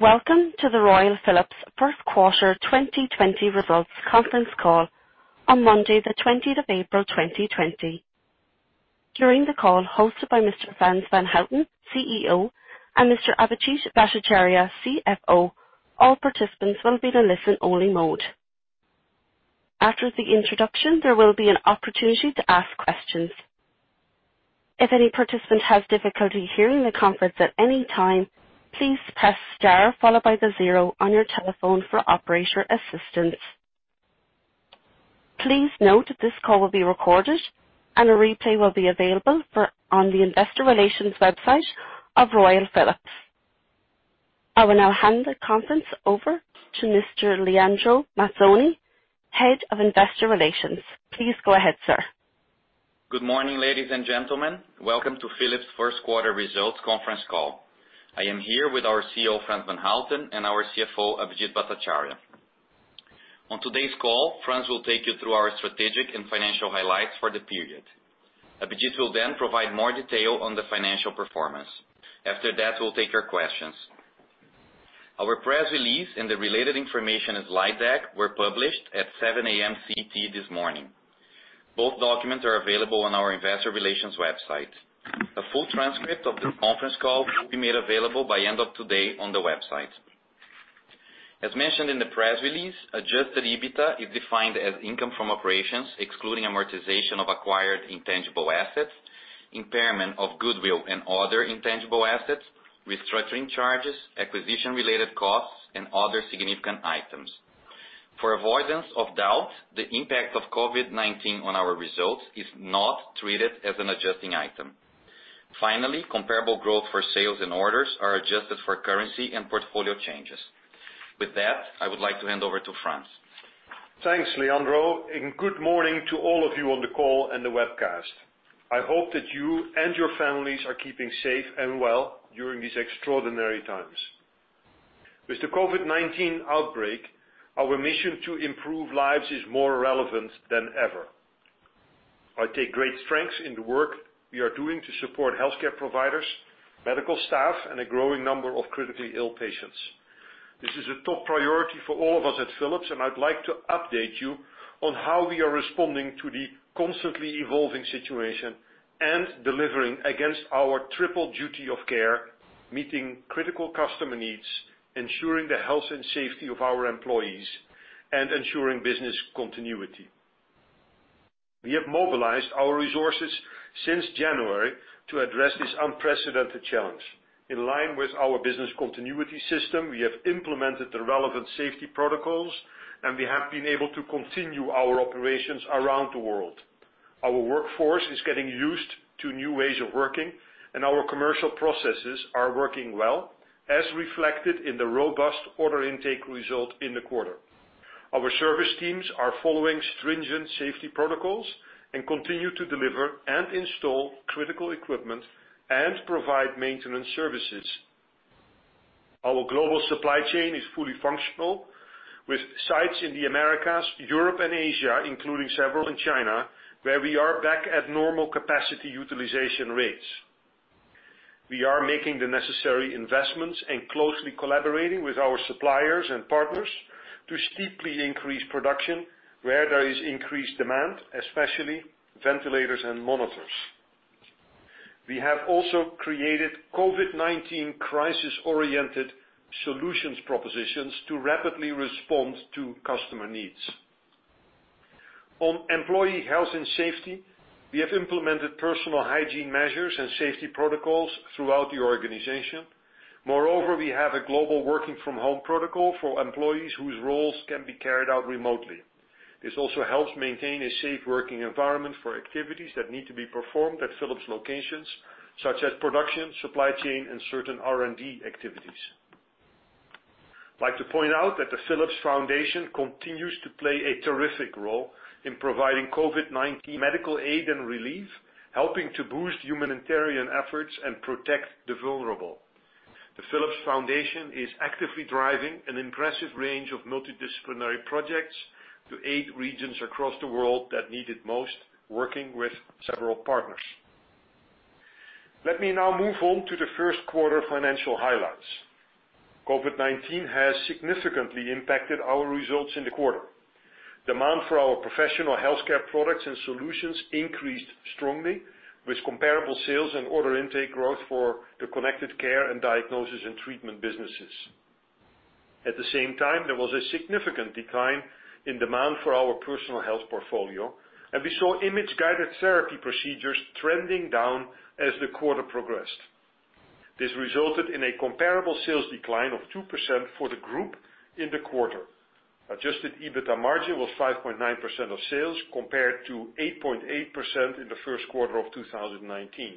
Welcome to the Royal Philips first quarter 2020 results conference call on Monday, the 20th of April 2020. During the call hosted by Mr. Frans van Houten, CEO, and Mr. Abhijit Bhattacharya, CFO, all participants will be in a listen only mode. After the introduction, there will be an opportunity to ask questions. If any participant has difficulty hearing the conference at any time, please press star followed by the zero on your telephone for operator assistance. Please note that this call will be recorded and a replay will be available on the investor relations website of Royal Philips. I will now hand the conference over to Mr. Leandro Mazzoni, head of investor relations. Please go ahead, sir. Good morning, ladies and gentlemen. Welcome to Philips first quarter results conference call. I am here with our CEO, Frans van Houten, and our CFO, Abhijit Bhattacharya. On today's call, Frans will take you through our strategic and financial highlights for the period. Abhijit will provide more detail on the financial performance. After that, we'll take your questions. Our press release and the related information slide deck were published at 7:00 A.M. CET this morning. Both documents are available on our investor relations website. A full transcript of the conference call will be made available by end of today on the website. As mentioned in the press release, adjusted EBITDA is defined as income from operations, excluding amortization of acquired intangible assets, impairment of goodwill and other intangible assets, restructuring charges, acquisition related costs, and other significant items. For avoidance of doubt, the impact of COVID-19 on our results is not treated as an adjusting item. Comparable growth for sales and orders are adjusted for currency and portfolio changes. With that, I would like to hand over to Frans. Thanks, Leandro. Good morning to all of you on the call and the webcast. I hope that you and your families are keeping safe and well during these extraordinary times. With the COVID-19 outbreak, our mission to improve lives is more relevant than ever. I take great strength in the work we are doing to support healthcare providers, medical staff, and a growing number of critically ill patients. This is a top priority for all of us at Philips, and I'd like to update you on how we are responding to the constantly evolving situation and delivering against our triple duty of care, meeting critical customer needs, ensuring the health and safety of our employees, and ensuring business continuity. We have mobilized our resources since January to address this unprecedented challenge. In line with our business continuity system, we have implemented the relevant safety protocols, and we have been able to continue our operations around the world. Our workforce is getting used to new ways of working, and our commercial processes are working well, as reflected in the robust order intake result in the quarter. Our service teams are following stringent safety protocols and continue to deliver and install critical equipment and provide maintenance services. Our global supply chain is fully functional with sites in the Americas, Europe, and Asia, including several in China, where we are back at normal capacity utilization rates. We are making the necessary investments and closely collaborating with our suppliers and partners to steeply increase production where there is increased demand, especially ventilators and monitors. We have also created COVID-19 crisis-oriented solutions propositions to rapidly respond to customer needs. On employee health and safety, we have implemented personal hygiene measures and safety protocols throughout the organization. Moreover, we have a global working from home protocol for employees whose roles can be carried out remotely. This also helps maintain a safe working environment for activities that need to be performed at Philips locations, such as production, supply chain, and certain R&D activities. I'd like to point out that the Philips Foundation continues to play a terrific role in providing COVID-19 medical aid and relief, helping to boost humanitarian efforts and protect the vulnerable. The Philips Foundation is actively driving an impressive range of multidisciplinary projects to aid regions across the world that need it most, working with several partners. Let me now move on to the first quarter financial highlights. COVID-19 has significantly impacted our results in the quarter. Demand for our professional healthcare products and solutions increased strongly with comparable sales and order intake growth for the Connected Care and Diagnosis & Treatment businesses. At the same time, there was a significant decline in demand for our personal health portfolio, and we saw Image Guided Therapy procedures trending down as the quarter progressed. This resulted in a comparable sales decline of 2% for the group in the quarter. Adjusted EBITDA margin was 5.9% of sales, compared to 8.8% in the first quarter of 2019.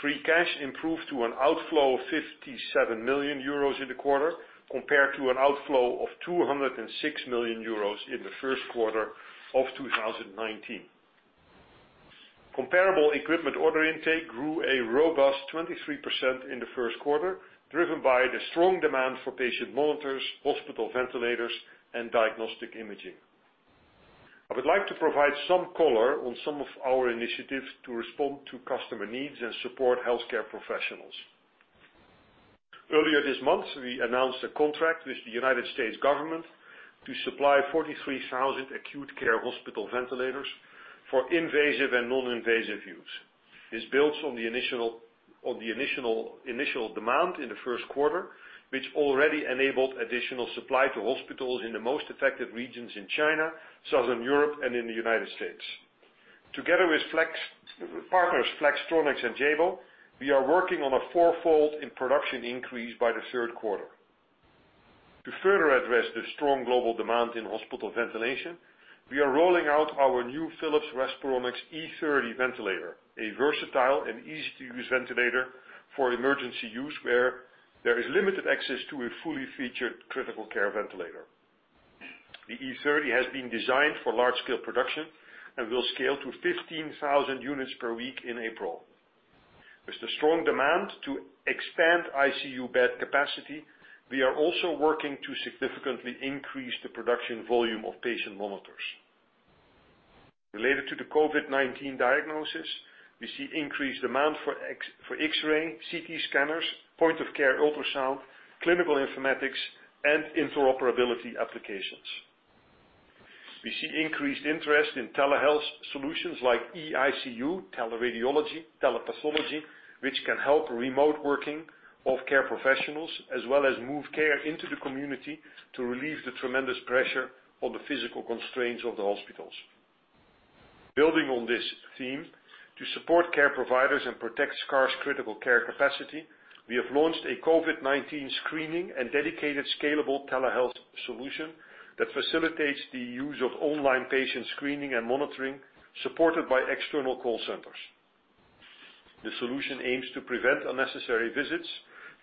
Free cash improved to an outflow of 57 million euros in the quarter, compared to an outflow of 206 million euros in the first quarter of 2019. Comparable equipment order intake grew a robust 23% in the first quarter, driven by the strong demand for patient monitors, hospital ventilators, and diagnostic imaging. I would like to provide some color on some of our initiatives to respond to customer needs and support healthcare professionals. Earlier this month, we announced a contract with the U.S. government to supply 43,000 acute care hospital ventilators for invasive and non-invasive use. This builds on the initial demand in the first quarter, which already enabled additional supply to hospitals in the most affected regions in China, Southern Europe, and in the U.S. Together with partners Flex and Jabil, we are working on a fourfold in production increase by the third quarter. To further address the strong global demand in hospital ventilation, we are rolling out our new Philips Respironics E30 ventilator, a versatile and easy-to-use ventilator for emergency use where there is limited access to a fully featured critical care ventilator. The E30 has been designed for large scale production and will scale to 15,000 units per week in April. With the strong demand to expand ICU bed capacity, we are also working to significantly increase the production volume of patient monitors. Related to the COVID-19 diagnosis, we see increased demand for X-ray, CT scanners, point of care ultrasound, clinical informatics, and interoperability applications. We see increased interest in telehealth solutions like eICU, teleradiology, telepathology, which can help remote working of care professionals, as well as move care into the community to relieve the tremendous pressure on the physical constraints of the hospitals. Building on this theme, to support care providers and protect scarce critical care capacity, we have launched a COVID-19 screening and dedicated scalable telehealth solution that facilitates the use of online patient screening and monitoring supported by external call centers. The solution aims to prevent unnecessary visits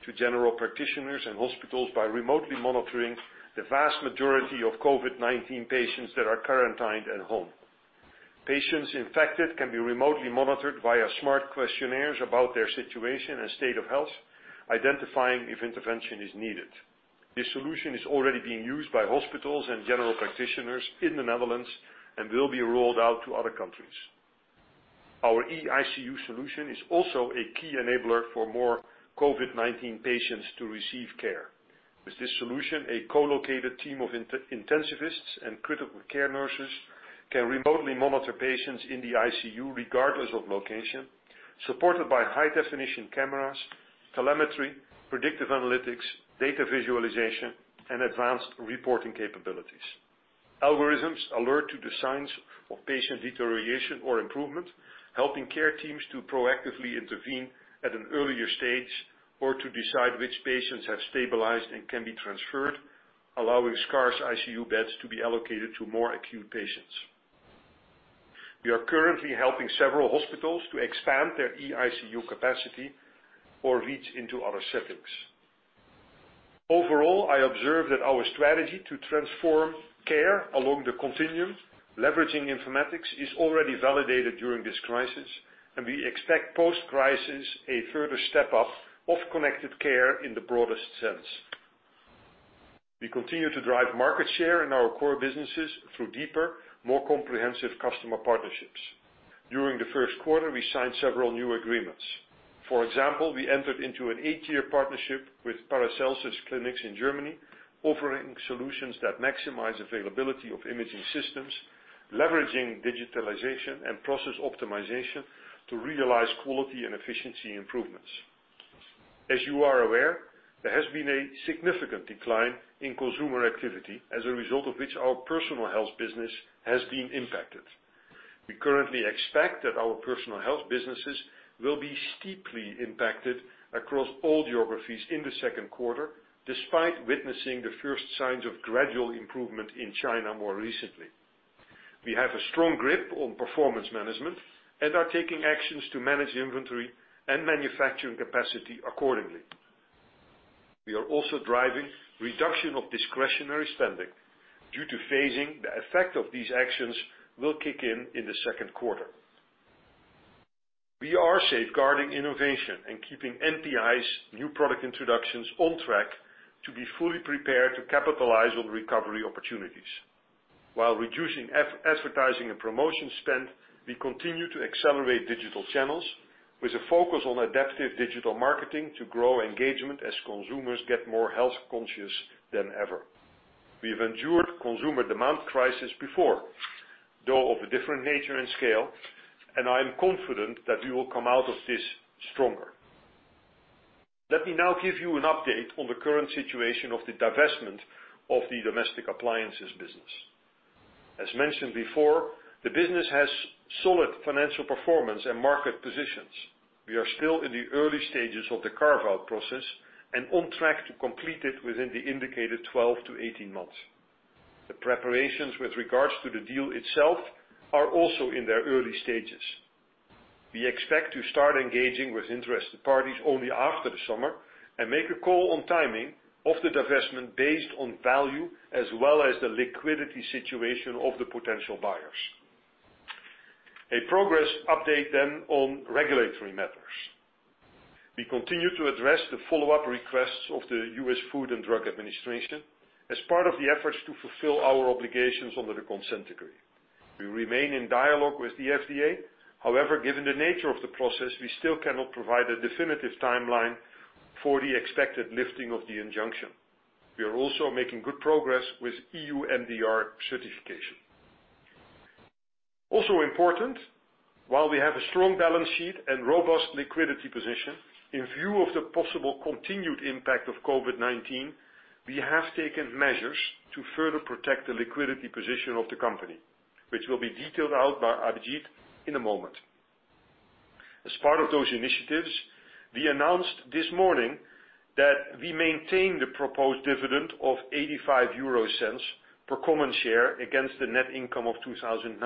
to general practitioners and hospitals by remotely monitoring the vast majority of COVID-19 patients that are quarantined at home. Patients infected can be remotely monitored via smart questionnaires about their situation and state of health, identifying if intervention is needed. This solution is already being used by hospitals and general practitioners in the Netherlands and will be rolled out to other countries. Our eICU solution is also a key enabler for more COVID-19 patients to receive care. With this solution, a co-located team of intensivists and critical care nurses can remotely monitor patients in the ICU, regardless of location, supported by high definition cameras, telemetry, predictive analytics, data visualization, and advanced reporting capabilities. Algorithms alert to the signs of patient deterioration or improvement, helping care teams to proactively intervene at an earlier stage or to decide which patients have stabilized and can be transferred, allowing scarce ICU beds to be allocated to more acute patients. We are currently helping several hospitals to expand their eICU capacity or reach into other settings. Overall, I observe that our strategy to transform care along the continuum, leveraging informatics, is already validated during this crisis, and we expect post-crisis a further step up of connected care in the broadest sense. We continue to drive market share in our core businesses through deeper, more comprehensive customer partnerships. During the first quarter, we signed several new agreements. For example, we entered into an eight year partnership with Paracelsus-Kliniken in Germany, offering solutions that maximize availability of imaging systems, leveraging digitalization and process optimization to realize quality and efficiency improvements. As you are aware, there has been a significant decline in consumer activity, as a result of which our personal health business has been impacted. We currently expect that our personal health businesses will be steeply impacted across all geographies in the second quarter, despite witnessing the first signs of gradual improvement in China more recently. We have a strong grip on performance management and are taking actions to manage inventory and manufacturing capacity accordingly. We are also driving reduction of discretionary spending. Due to phasing, the effect of these actions will kick in the second quarter. We are safeguarding innovation and keeping NPIs, New Product Introductions, on track to be fully prepared to capitalize on recovery opportunities. While reducing advertising and promotion spend, we continue to accelerate digital channels with a focus on adaptive digital marketing to grow engagement as consumers get more health-conscious than ever. We've endured consumer demand crisis before, though of a different nature and scale, and I am confident that we will come out of this stronger. Let me now give you an update on the current situation of the divestment of the domestic appliances business. As mentioned before, the business has solid financial performance and market positions. We are still in the early stages of the carve-out process and on track to complete it within the indicated 12-18 months. The preparations with regards to the deal itself are also in their early stages. We expect to start engaging with interested parties only after the summer and make a call on timing of the divestment based on value as well as the liquidity situation of the potential buyers. A progress update on regulatory matters. We continue to address the follow-up requests of the U.S. Food and Drug Administration as part of the efforts to fulfill our obligations under the consent decree. We remain in dialogue with the FDA. Given the nature of the process, we still cannot provide a definitive timeline for the expected lifting of the injunction. We are also making good progress with EU MDR certification. While we have a strong balance sheet and robust liquidity position, in view of the possible continued impact of COVID-19, we have taken measures to further protect the liquidity position of the company, which will be detailed out by Abhijit in a moment. As part of those initiatives, we announced this morning that we maintain the proposed dividend of 0.85 per common share against the net income of 2019.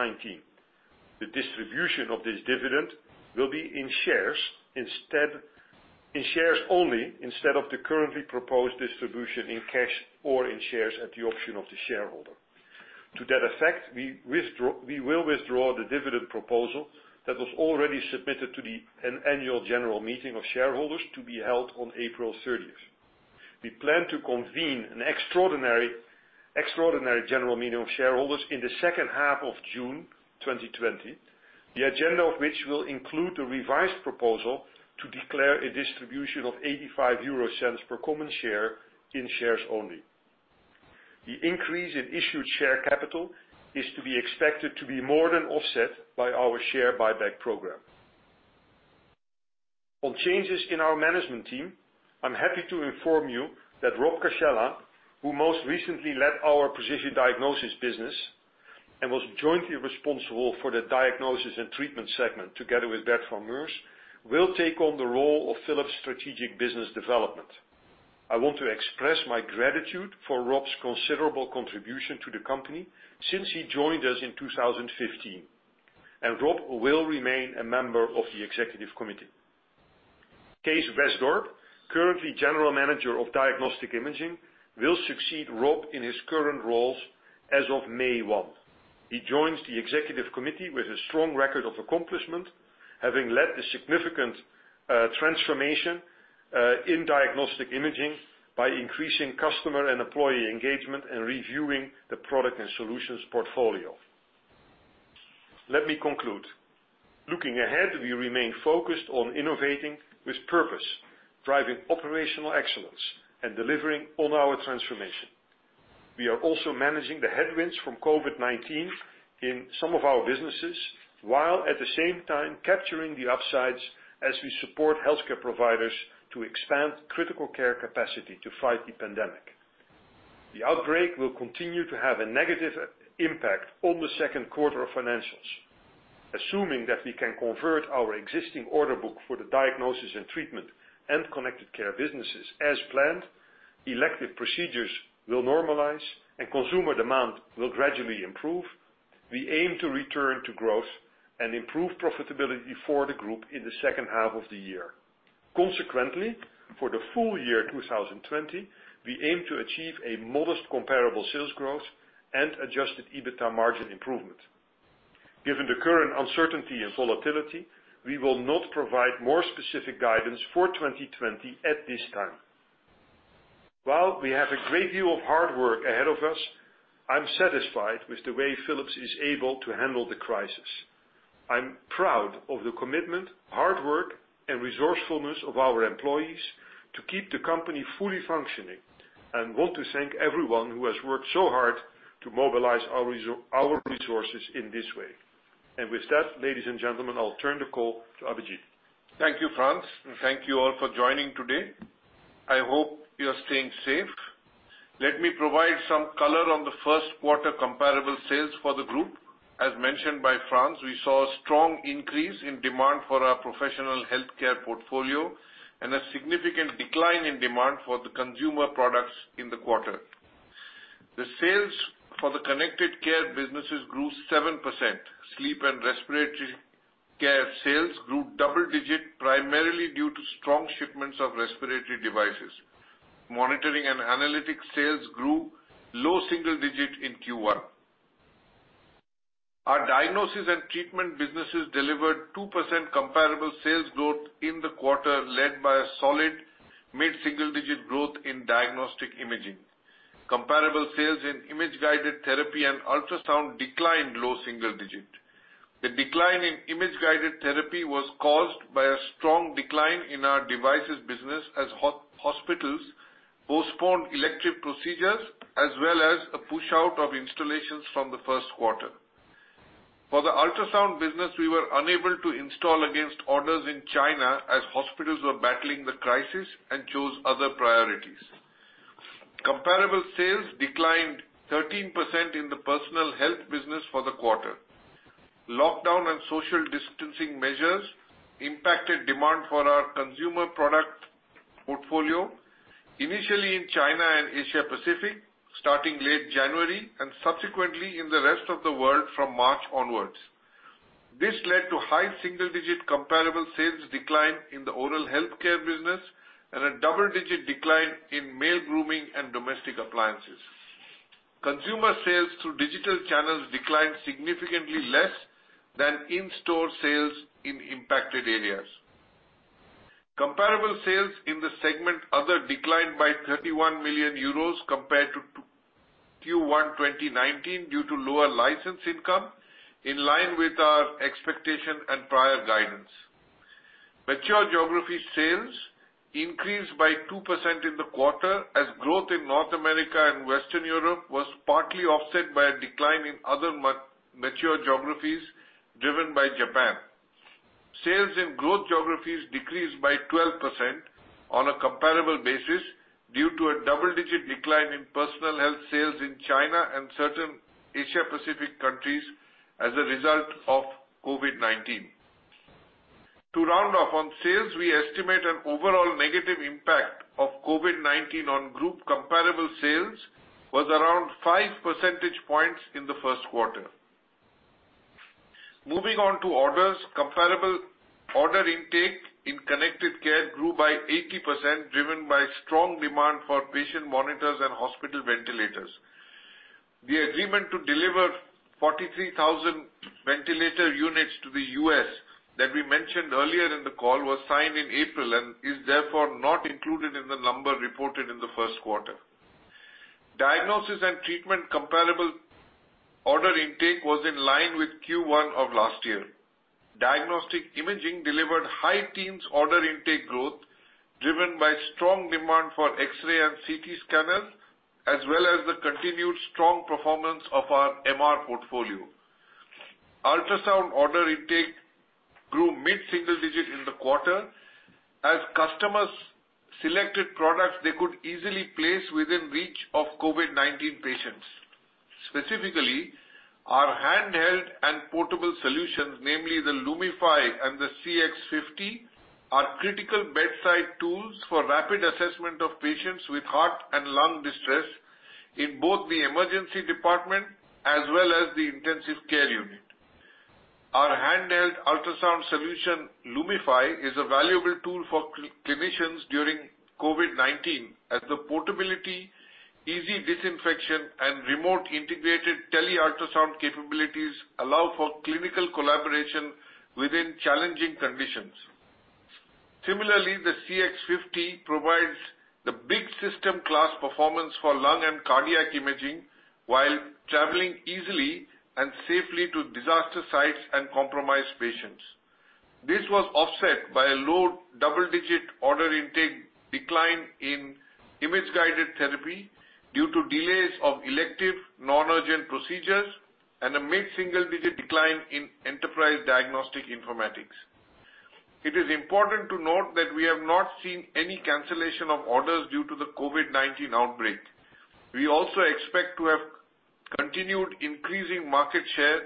The distribution of this dividend will be in shares only instead of the currently proposed distribution in cash or in shares at the option of the shareholder. To that effect, we will withdraw the dividend proposal that was already submitted to the annual general meeting of shareholders to be held on April 30th. We plan to convene an extraordinary general meeting of shareholders in the second half of June 2020, the agenda of which will include the revised proposal to declare a distribution of 0.85 per common share in shares only. The increase in issued share capital is to be expected to be more than offset by our share buyback program. On changes in our management team, I'm happy to inform you that Rob Cascella, who most recently led our Precision Diagnosis business and was jointly responsible for the Diagnosis & Treatment segment, together with Bert van Meurs, will take on the role of Philips strategic business development. I want to express my gratitude for Rob's considerable contribution to the company since he joined us in 2015. Rob will remain a member of the executive committee. Kees Wesdorp, currently General Manager of Diagnostic Imaging, will succeed Rob in his current roles as of May 1. He joins the executive committee with a strong record of accomplishment, having led the significant transformation in Diagnostic Imaging by increasing customer and employee engagement and reviewing the product and solutions portfolio. Let me conclude. Looking ahead, we remain focused on innovating with purpose, driving operational excellence, and delivering on our transformation. We are also managing the headwinds from COVID-19 in some of our businesses, while at the same time capturing the upsides as we support healthcare providers to expand critical care capacity to fight the pandemic. The outbreak will continue to have a negative impact on the second quarter of financials. Assuming that we can convert our existing order book for the Diagnosis & Treatment and Connected Care businesses as planned, elective procedures will normalize, and consumer demand will gradually improve. We aim to return to growth and improve profitability for the group in the second half of the year. Consequently, for the full year 2020, we aim to achieve a modest comparable sales growth and adjusted EBITA margin improvement. Given the current uncertainty and volatility, we will not provide more specific guidance for 2020 at this time. While we have a great deal of hard work ahead of us, I'm satisfied with the way Philips is able to handle the crisis. I'm proud of the commitment, hard work, and resourcefulness of our employees to keep the company fully functioning, and want to thank everyone who has worked so hard to mobilize our resources in this way. With that, ladies and gentlemen, I'll turn the call to Abhijit. Thank you, Frans, and thank you all for joining today. I hope you're staying safe. Let me provide some color on the first quarter comparable sales for the group. As mentioned by Frans, we saw a strong increase in demand for our professional healthcare portfolio and a significant decline in demand for the consumer products in the quarter. The sales for the Connected Care businesses grew 7%. Sleep and Respiratory Care sales grew double digit, primarily due to strong shipments of respiratory devices. Monitoring and analytics sales grew low single digit in Q1. Our Diagnosis and Treatment businesses delivered 2% comparable sales growth in the quarter, led by a solid mid-single digit growth in Diagnostic Imaging. Comparable sales in Image Guided Therapy and Ultrasound declined low single digit. The decline in Image Guided Therapy was caused by a strong decline in our devices business as hospitals postponed elective procedures, as well as a push-out of installations from the first quarter. For the ultrasound business, we were unable to install against orders in China as hospitals were battling the crisis and chose other priorities. Comparable sales declined 13% in the Personal Health business for the quarter. Lockdown and social distancing measures impacted demand for our consumer product portfolio, initially in China and Asia Pacific, starting late January and subsequently in the rest of the world from March onwards. This led to high single-digit comparable sales decline in the oral healthcare business and a double-digit decline in male grooming and domestic appliances. Consumer sales through digital channels declined significantly less than in-store sales in impacted areas. Comparable sales in the segment Other declined by 31 million euros compared to Q1 2019 due to lower license income, in line with our expectation and prior guidance. Mature geography sales increased by 2% in the quarter as growth in North America and Western Europe was partly offset by a decline in other mature geographies driven by Japan. Sales in growth geographies decreased by 12% on a comparable basis due to a double-digit decline in Personal Health sales in China and certain Asia Pacific countries as a result of COVID-19. To round off on sales, we estimate an overall negative impact of COVID-19 on group comparable sales was around five percentage points in the first quarter. Moving on to orders. Comparable order intake in Connected Care grew by 80%, driven by strong demand for patient monitors and hospital ventilators. The agreement to deliver 43,000 ventilator units to the U.S. that we mentioned earlier in the call, was signed in April and is therefore not included in the number reported in the first quarter. Diagnosis & Treatment comparable order intake was in line with Q1 of last year. Diagnostic Imaging delivered high teens order intake growth, driven by strong demand for X-ray and CT scanners, as well as the continued strong performance of our MR portfolio. Ultrasound order intake grew mid-single digit in the quarter as customers selected products they could easily place within reach of COVID-19 patients. Specifically, our handheld and portable solutions, namely the Lumify and the CX50, are critical bedside tools for rapid assessment of patients with heart and lung distress in both the emergency department as well as the intensive care unit. Our handheld ultrasound solution, Lumify, is a valuable tool for clinicians during COVID-19 as the portability, easy disinfection, and remote integrated tele-ultrasound capabilities allow for clinical collaboration within challenging conditions. Similarly, the CX50 provides the big system class performance for lung and cardiac imaging while traveling easily and safely to disaster sites and compromised patients. This was offset by a low double-digit order intake decline in image-guided therapy due to delays of elective non-urgent procedures and a mid-single digit decline in enterprise diagnostic informatics. It is important to note that we have not seen any cancellation of orders due to the COVID-19 outbreak. We also expect to have continued increasing market share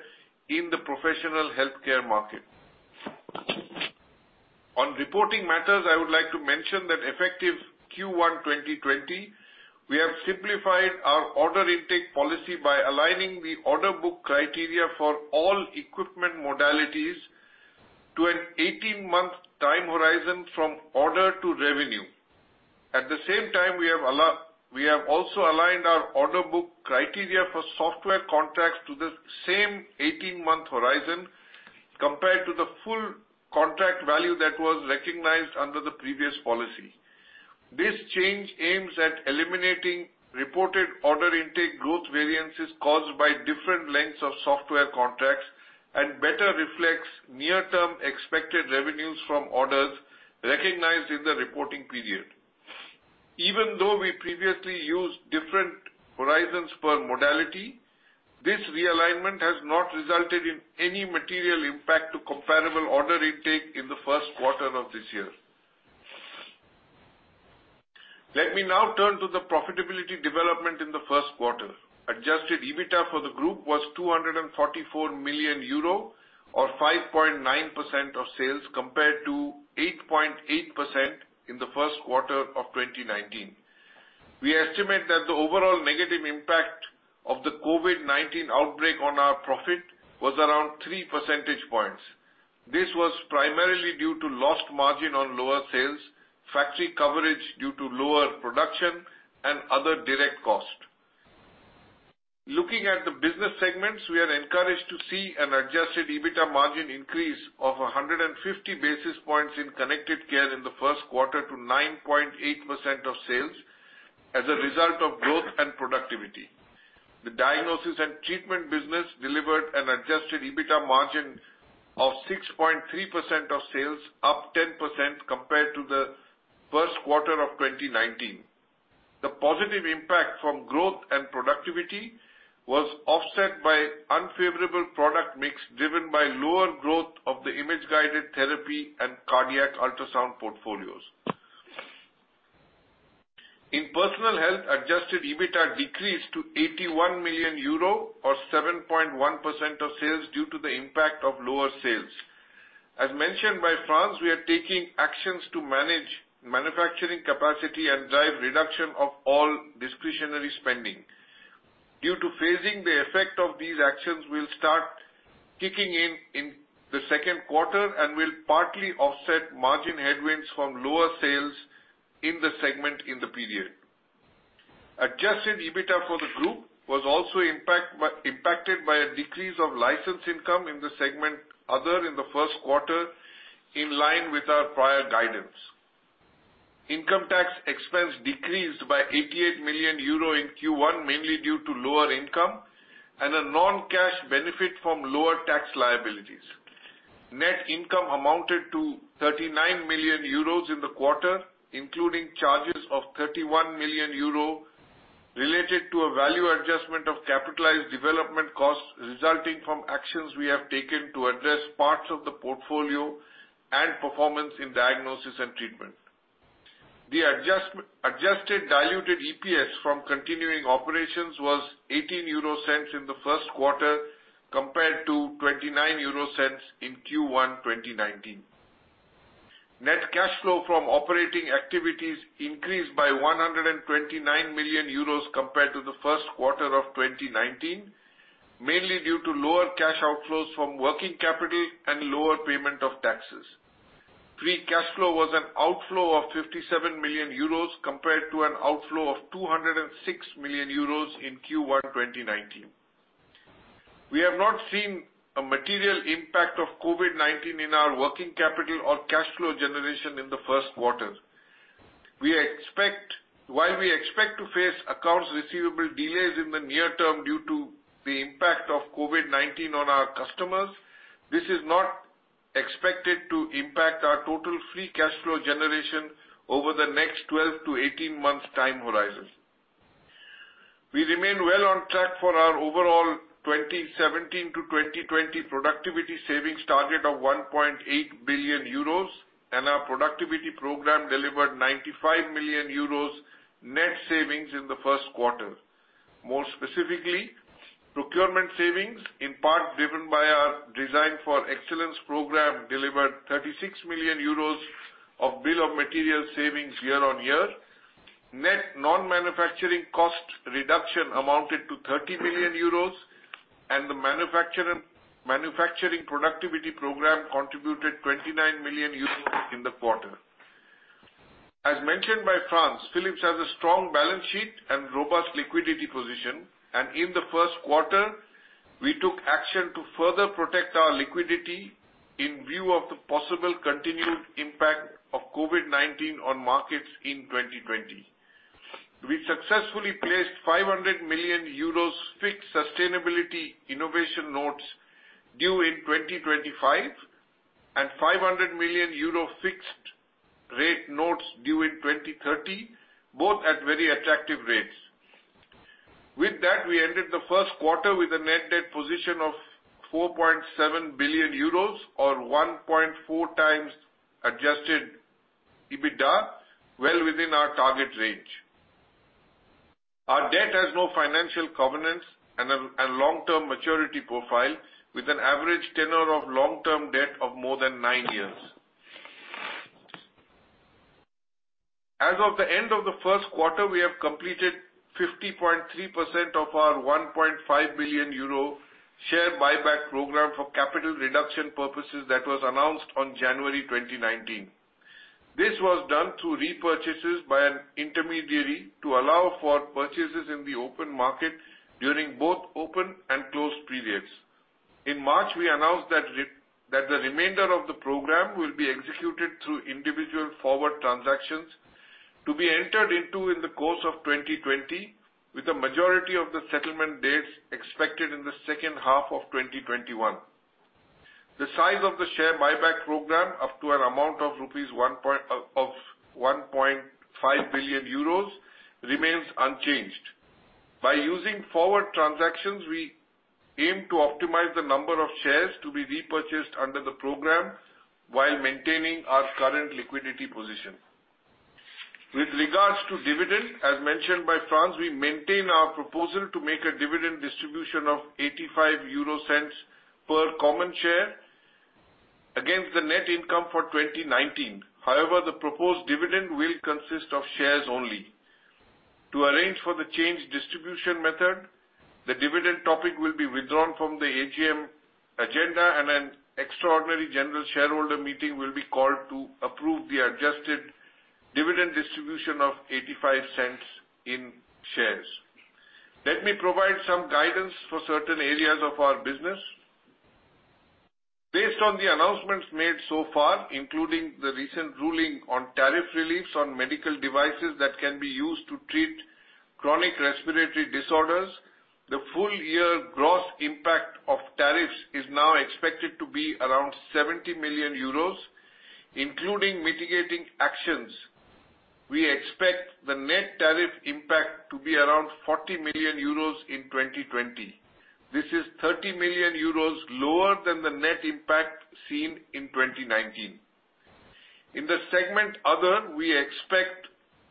in the professional healthcare market. On reporting matters, I would like to mention that effective Q1 2020, we have simplified our order intake policy by aligning the order book criteria for all equipment modalities to an 18-month time horizon from order to revenue. At the same time, we have also aligned our order book criteria for software contracts to the same 18-month horizon compared to the full contract value that was recognized under the previous policy. This change aims at eliminating reported order intake growth variances caused by different lengths of software contracts and better reflects near-term expected revenues from orders recognized in the reporting period. Even though we previously used different horizons per modality, this realignment has not resulted in any material impact to comparable order intake in the first quarter of this year. Let me now turn to the profitability development in the first quarter. Adjusted EBITA for the group was 244 million euro, or 5.9% of sales, compared to 8.8% in the first quarter of 2019. We estimate that the overall negative impact of the COVID-19 outbreak on our profit was around three percentage points. This was primarily due to lost margin on lower sales, factory coverage due to lower production, and other direct cost. Looking at the business segments, we are encouraged to see an adjusted EBITA margin increase of 150 basis points in Connected Care in the first quarter to 9.8% of sales as a result of growth and productivity. The Diagnosis & Treatment business delivered an adjusted EBITA margin of 6.3% of sales, up 10% compared to the first quarter of 2019. The positive impact from growth and productivity was offset by unfavorable product mix, driven by lower growth of the Image Guided Therapy and cardiac ultrasound portfolios. In personal health, adjusted EBITA decreased to 81 million euro, or 7.1% of sales due to the impact of lower sales. As mentioned by Frans, we are taking actions to manage manufacturing capacity and drive reduction of all discretionary spending. Due to phasing, the effect of these actions will start kicking in in the second quarter and will partly offset margin headwinds from lower sales in the segment in the period. Adjusted EBITA for the group was also impacted by a decrease of license income in the segment, other in the first quarter, in line with our prior guidance. Income tax expense decreased by 88 million euro in Q1, mainly due to lower income and a non-cash benefit from lower tax liabilities. Net income amounted to 39 million euros in the quarter, including charges of 31 million euro related to a value adjustment of capitalized development costs resulting from actions we have taken to address parts of the portfolio and performance in Diagnosis & Treatment. The adjusted diluted EPS from continuing operations was 0.18 in the first quarter compared to 0.29 in Q1 2019. Net cash flow from operating activities increased by 129 million euros compared to the first quarter of 2019, mainly due to lower cash outflows from working capital and lower payment of taxes. Free cash flow was an outflow of 57 million euros compared to an outflow of 206 million euros in Q1 2019. We have not seen a material impact of COVID-19 in our working capital or cash flow generation in the first quarter. While we expect to face accounts receivable delays in the near term due to the impact of COVID-19 on our customers, this is not expected to impact our total free cash flow generation over the next 12 to 18 months time horizons. Our productivity program delivered 95 million euros net savings in the first quarter. More specifically, procurement savings, in part driven by our Design for Excellence program, delivered 36 million euros of bill of material savings year-on-year. Net non-manufacturing cost reduction amounted to 30 million euros. The manufacturing productivity program contributed 29 million euros in the quarter. As mentioned by Frans, Philips has a strong balance sheet and robust liquidity position, and in the first quarter, we took action to further protect our liquidity in view of the possible continued impact of COVID-19 on markets in 2020. We successfully placed 500 million euros fixed sustainability innovation notes due in 2025 and 500 million euro fixed rate notes due in 2030, both at very attractive rates. With that, we ended the first quarter with a net debt position of 4.7 billion euros or 1.4 times adjusted EBITA, well within our target range. Our debt has no financial covenants and long-term maturity profile with an average tenure of long-term debt of more than nine years. As of the end of the first quarter, we have completed 50.3% of our 1.5 billion euro share buyback program for capital reduction purposes that was announced on January 2019. This was done through repurchases by an intermediary to allow for purchases in the open market during both open and closed periods. In March, we announced that the remainder of the program will be executed through individual forward transactions to be entered into in the course of 2020, with the majority of the settlement dates expected in the second half of 2021. The size of the share buyback program up to an amount of 1.5 billion euros remains unchanged. By using forward transactions, we aim to optimize the number of shares to be repurchased under the program while maintaining our current liquidity position. With regards to dividend, as mentioned by Frans, we maintain our proposal to make a dividend distribution of 0.85 per common share against the net income for 2019. The proposed dividend will consist of shares only. To arrange for the change distribution method, the dividend topic will be withdrawn from the AGM agenda and an extraordinary general shareholder meeting will be called to approve the adjusted dividend distribution of 0.85 in shares. Let me provide some guidance for certain areas of our business. Based on the announcements made so far, including the recent ruling on tariff reliefs on medical devices that can be used to treat chronic respiratory disorders, the full year gross impact of tariffs is now expected to be around 70 million euros. Including mitigating actions, we expect the net tariff impact to be around 40 million euros in 2020. This is 30 million euros lower than the net impact seen in 2019. In the segment other, we expect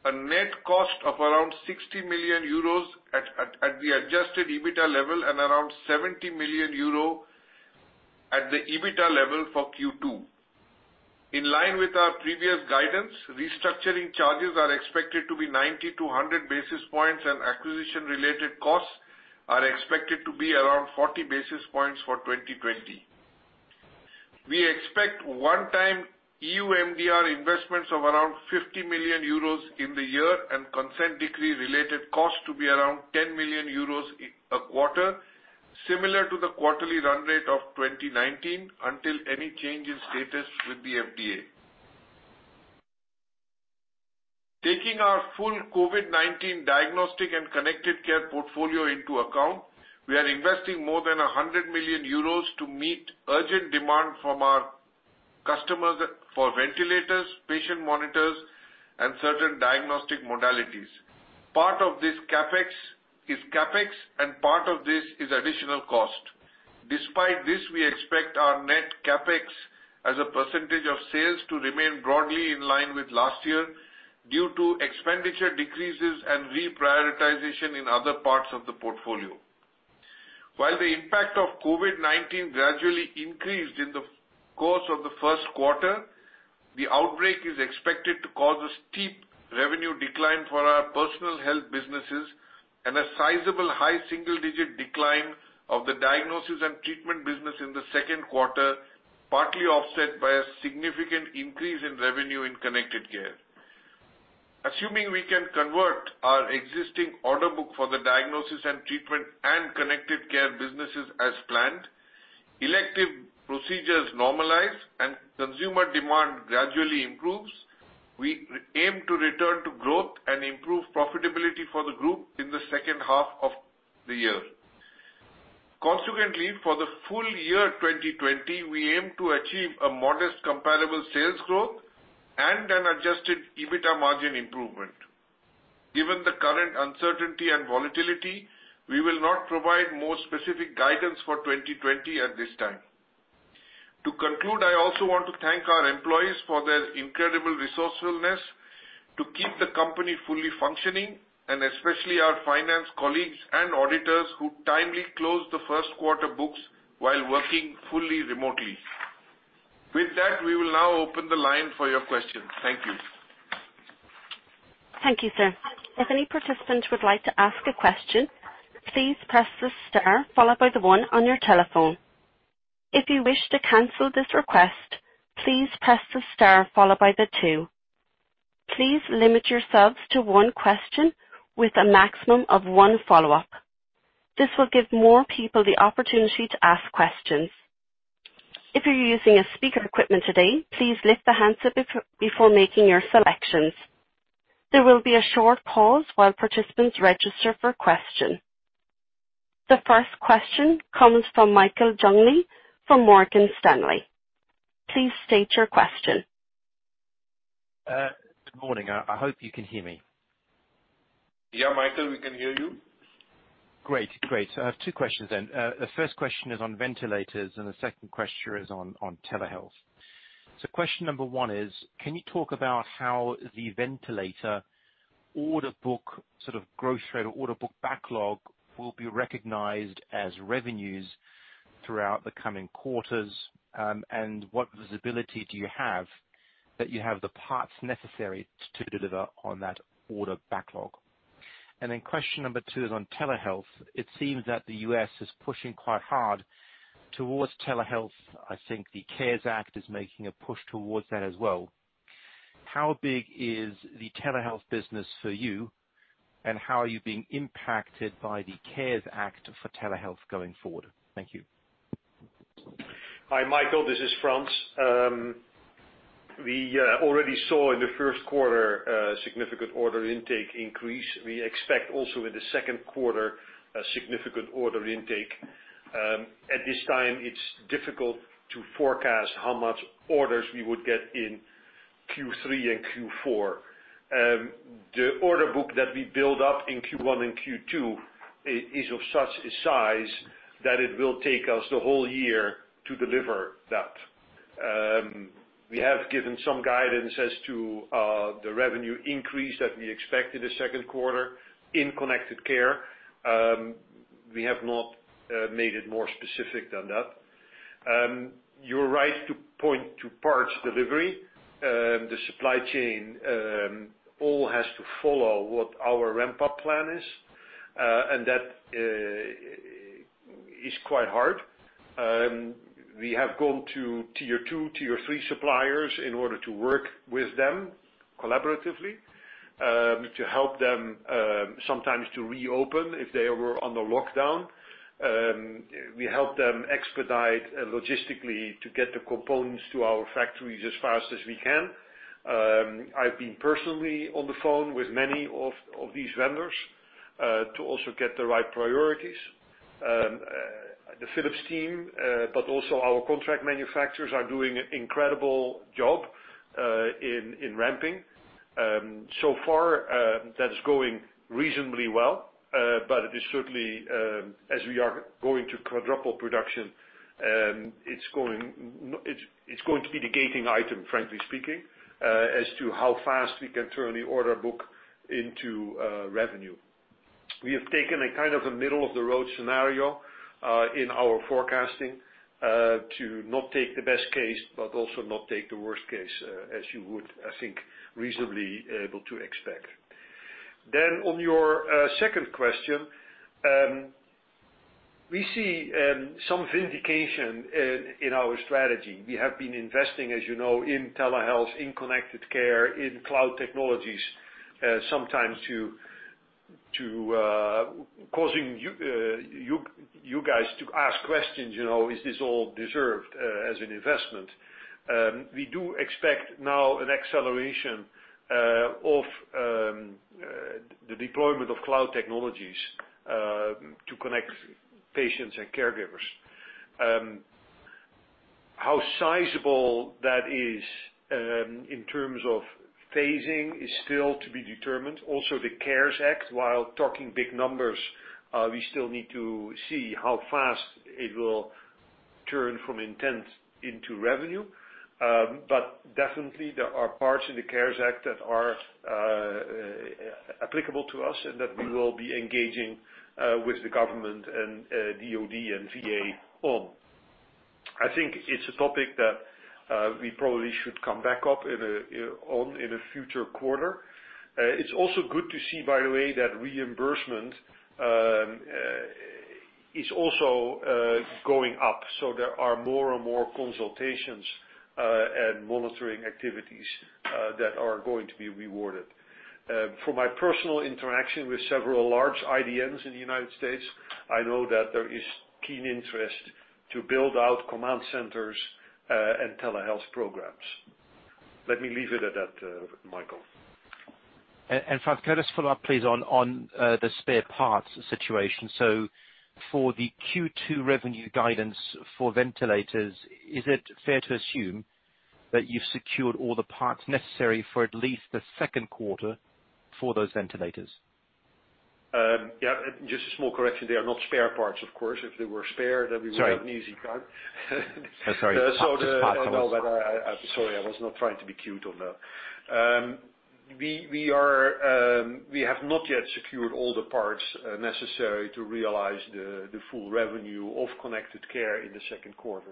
a net cost of around 60 million euros at the adjusted EBITA level and around 70 million euro at the EBITA level for Q2. In line with our previous guidance, restructuring charges are expected to be 90-100 basis points, and acquisition-related costs are expected to be around 40 basis points for 2020. We expect one-time EU MDR investments of around 50 million euros in the year and consent decree-related costs to be around 10 million euros a quarter, similar to the quarterly run rate of 2019 until any change in status with the FDA. Taking our full COVID-19 diagnostic and connected care portfolio into account, we are investing more than 100 million euros to meet urgent demand from our customers for ventilators, patient monitors, and certain diagnostic modalities. Part of this is CapEx, and part of this is additional cost. Despite this, we expect our net CapEx as a percentage of sales to remain broadly in line with last year due to expenditure decreases and reprioritization in other parts of the portfolio. While the impact of COVID-19 gradually increased in the course of the first quarter, the outbreak is expected to cause a steep revenue decline for our Personal Health businesses and a sizable high single-digit decline of the Diagnosis & Treatment business in the second quarter, partly offset by a significant increase in revenue in Connected Care. Assuming we can convert our existing order book for the Diagnosis & Treatment and Connected Care businesses as planned, elective procedures normalize, and consumer demand gradually improves, we aim to return to growth and improve profitability for the group in the second half of the year. Consequently, for the full year 2020, we aim to achieve a modest comparable sales growth and an adjusted EBITDA margin improvement. Given the current uncertainty and volatility, we will not provide more specific guidance for 2020 at this time. To conclude, I also want to thank our employees for their incredible resourcefulness to keep the company fully functioning, and especially our finance colleagues and auditors who timely closed the first quarter books while working fully remotely. With that, we will now open the line for your questions. Thank you. Thank you, sir. If any participant would like to ask a question, please press the star followed by the one on your telephone. If you wish to cancel this request, please press the star followed by the two. Please limit yourselves to one question with a maximum of one follow-up. This will give more people the opportunity to ask questions. If you're using speaker equipment today, please lift the handset before making your selections. There will be a short pause while participants register for a question. The first question comes from Michael Jüngling from Morgan Stanley. Please state your question. Good morning. I hope you can hear me. Yeah, Michael, we can hear you. Great. I have two questions then. The first question is on ventilators, and the second question is on telehealth. Question number 1 is, can you talk about how the ventilator order book, sort of gross rate or order book backlog, will be recognized as revenues throughout the coming quarters? What visibility do you have that you have the parts necessary to deliver on that order backlog? Question number 2 is on telehealth. It seems that the U.S. is pushing quite hard towards telehealth. I think the CARES Act is making a push towards that as well. How big is the telehealth business for you, and how are you being impacted by the CARES Act for telehealth going forward? Thank you. Hi, Michael. This is Frans. We already saw in the first quarter a significant order intake increase. We expect also in the second quarter, a significant order intake. At this time, it's difficult to forecast how much orders we would get in Q3 and Q4. The order book that we build up in Q1 and Q2 is of such a size that it will take us the whole year to deliver that. We have given some guidance as to the revenue increase that we expect in the second quarter in Connected Care. We have not made it more specific than that. You're right to point to parts delivery. The supply chain all has to follow what our ramp-up plan is, that is quite hard. We have gone to tier 2, tier 3 suppliers in order to work with them collaboratively, to help them, sometimes to reopen if they were on the lockdown. We help them expedite logistically to get the components to our factories as fast as we can. I've been personally on the phone with many of these vendors, to also get the right priorities. The Philips team, but also our contract manufacturers are doing an incredible job in ramping. So far, that's going reasonably well. It is certainly, as we are going to quadruple production, it's going to be the gating item, frankly speaking, as to how fast we can turn the order book into revenue. We have taken a middle-of-the-road scenario in our forecasting to not take the best case, but also not take the worst case as you would, I think, reasonably able to expect. On your second question, we see some vindication in our strategy. We have been investing, as you know, in telehealth, in connected care, in cloud technologies. Sometimes causing you guys to ask questions, is this all deserved as an investment? We do expect now an acceleration of the deployment of cloud technologies to connect patients and caregivers. How sizable that is in terms of phasing is still to be determined. The CARES Act, while talking big numbers, we still need to see how fast it will turn from intent into revenue. Definitely, there are parts in the CARES Act that are applicable to us and that we will be engaging with the government and DoD and VA on. I think it's a topic that we probably should come back up on in a future quarter. It's also good to see, by the way, that reimbursement is also going up. There are more and more consultations and monitoring activities that are going to be rewarded. From my personal interaction with several large IDNs in the U.S., I know that there is keen interest to build out command centers and telehealth programs. Let me leave it at that, Michael. Frans, can I just follow up, please, on the spare parts situation? For the Q2 revenue guidance for ventilators, is it fair to assume that you've secured all the parts necessary for at least the second quarter for those ventilators? Yeah, just a small correction. They are not spare parts, of course. If they were spare, then we would have an easy time. Sorry. No, sorry, I was not trying to be cute on that. We have not yet secured all the parts necessary to realize the full revenue of connected care in the second quarter.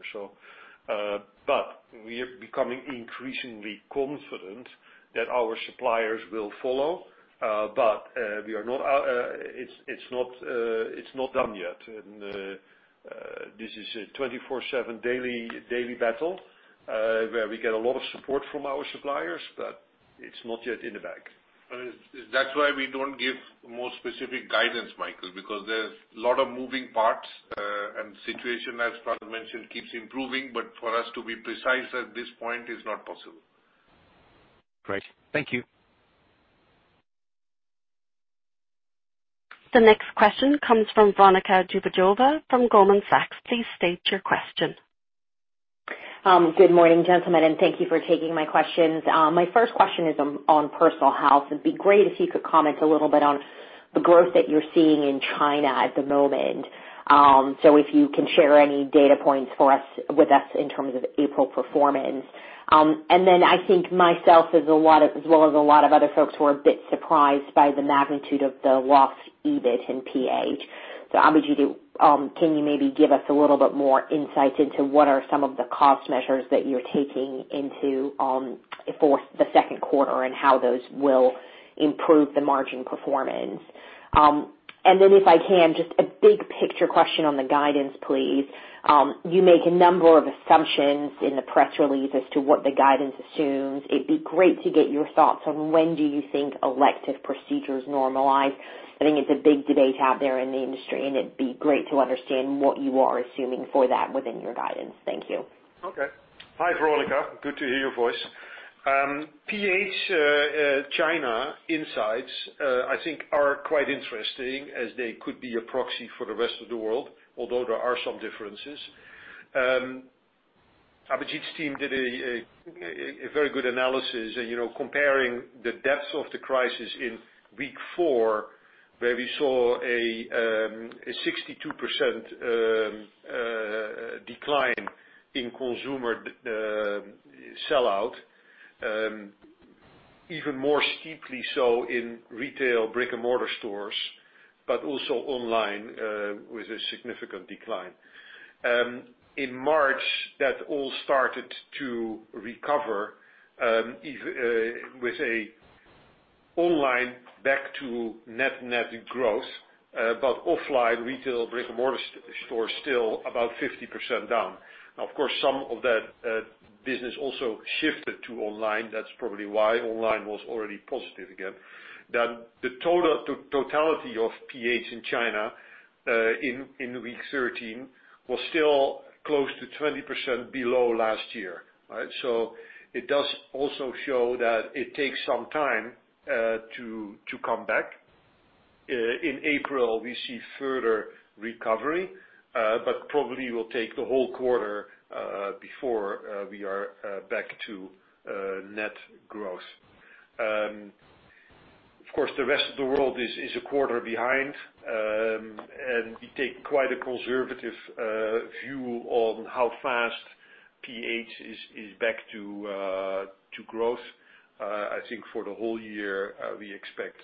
We are becoming increasingly confident that our suppliers will follow. It's not done yet. This is a 24/7 daily battle, where we get a lot of support from our suppliers, but it's not yet in the bag. That's why we don't give more specific guidance, Michael, because there's a lot of moving parts, and the situation, as Frans mentioned, keeps improving. For us to be precise at this point is not possible. Great. Thank you. The next question comes from Veronika Dubajova from Goldman Sachs. Please state your question. Good morning, gentlemen, and thank you for taking my questions. My first question is on personal health. It'd be great if you could comment a little bit on the growth that you're seeing in China at the moment. If you can share any data points with us in terms of April performance. I think myself, as well as a lot of other folks, were a bit surprised by the magnitude of the lost EBIT in PH. Abhijit, can you maybe give us a little bit more insight into what are some of the cost measures that you're taking into for the second quarter and how those will improve the margin performance? If I can, just a big picture question on the guidance, please. You make a number of assumptions in the press release as to what the guidance assumes. It'd be great to get your thoughts on when do you think elective procedures normalize. I think it's a big debate out there in the industry. It'd be great to understand what you are assuming for that within your guidance. Thank you. Hi, Veronika. Good to hear your voice. PH China insights, I think are quite interesting as they could be a proxy for the rest of the world, although there are some differences. Abhijit's team did a very good analysis comparing the depth of the crisis in week four, where we saw a 62% decline in consumer sellout, even more steeply so in retail brick-and-mortar stores, also online with a significant decline. In March, that all started to recover, with a online back to net growth. Offline retail brick-and-mortar stores still about 50% down. Now, of course, some of that business also shifted to online. That's probably why online was already positive again. The totality of PH in China, in week 13, was still close to 20% below last year. It does also show that it takes some time to come back. In April, we see further recovery, but probably will take the whole quarter before we are back to net growth. Of course, the rest of the world is a quarter behind. We take quite a conservative view on how fast PH is back to growth. I think for the whole year, we expect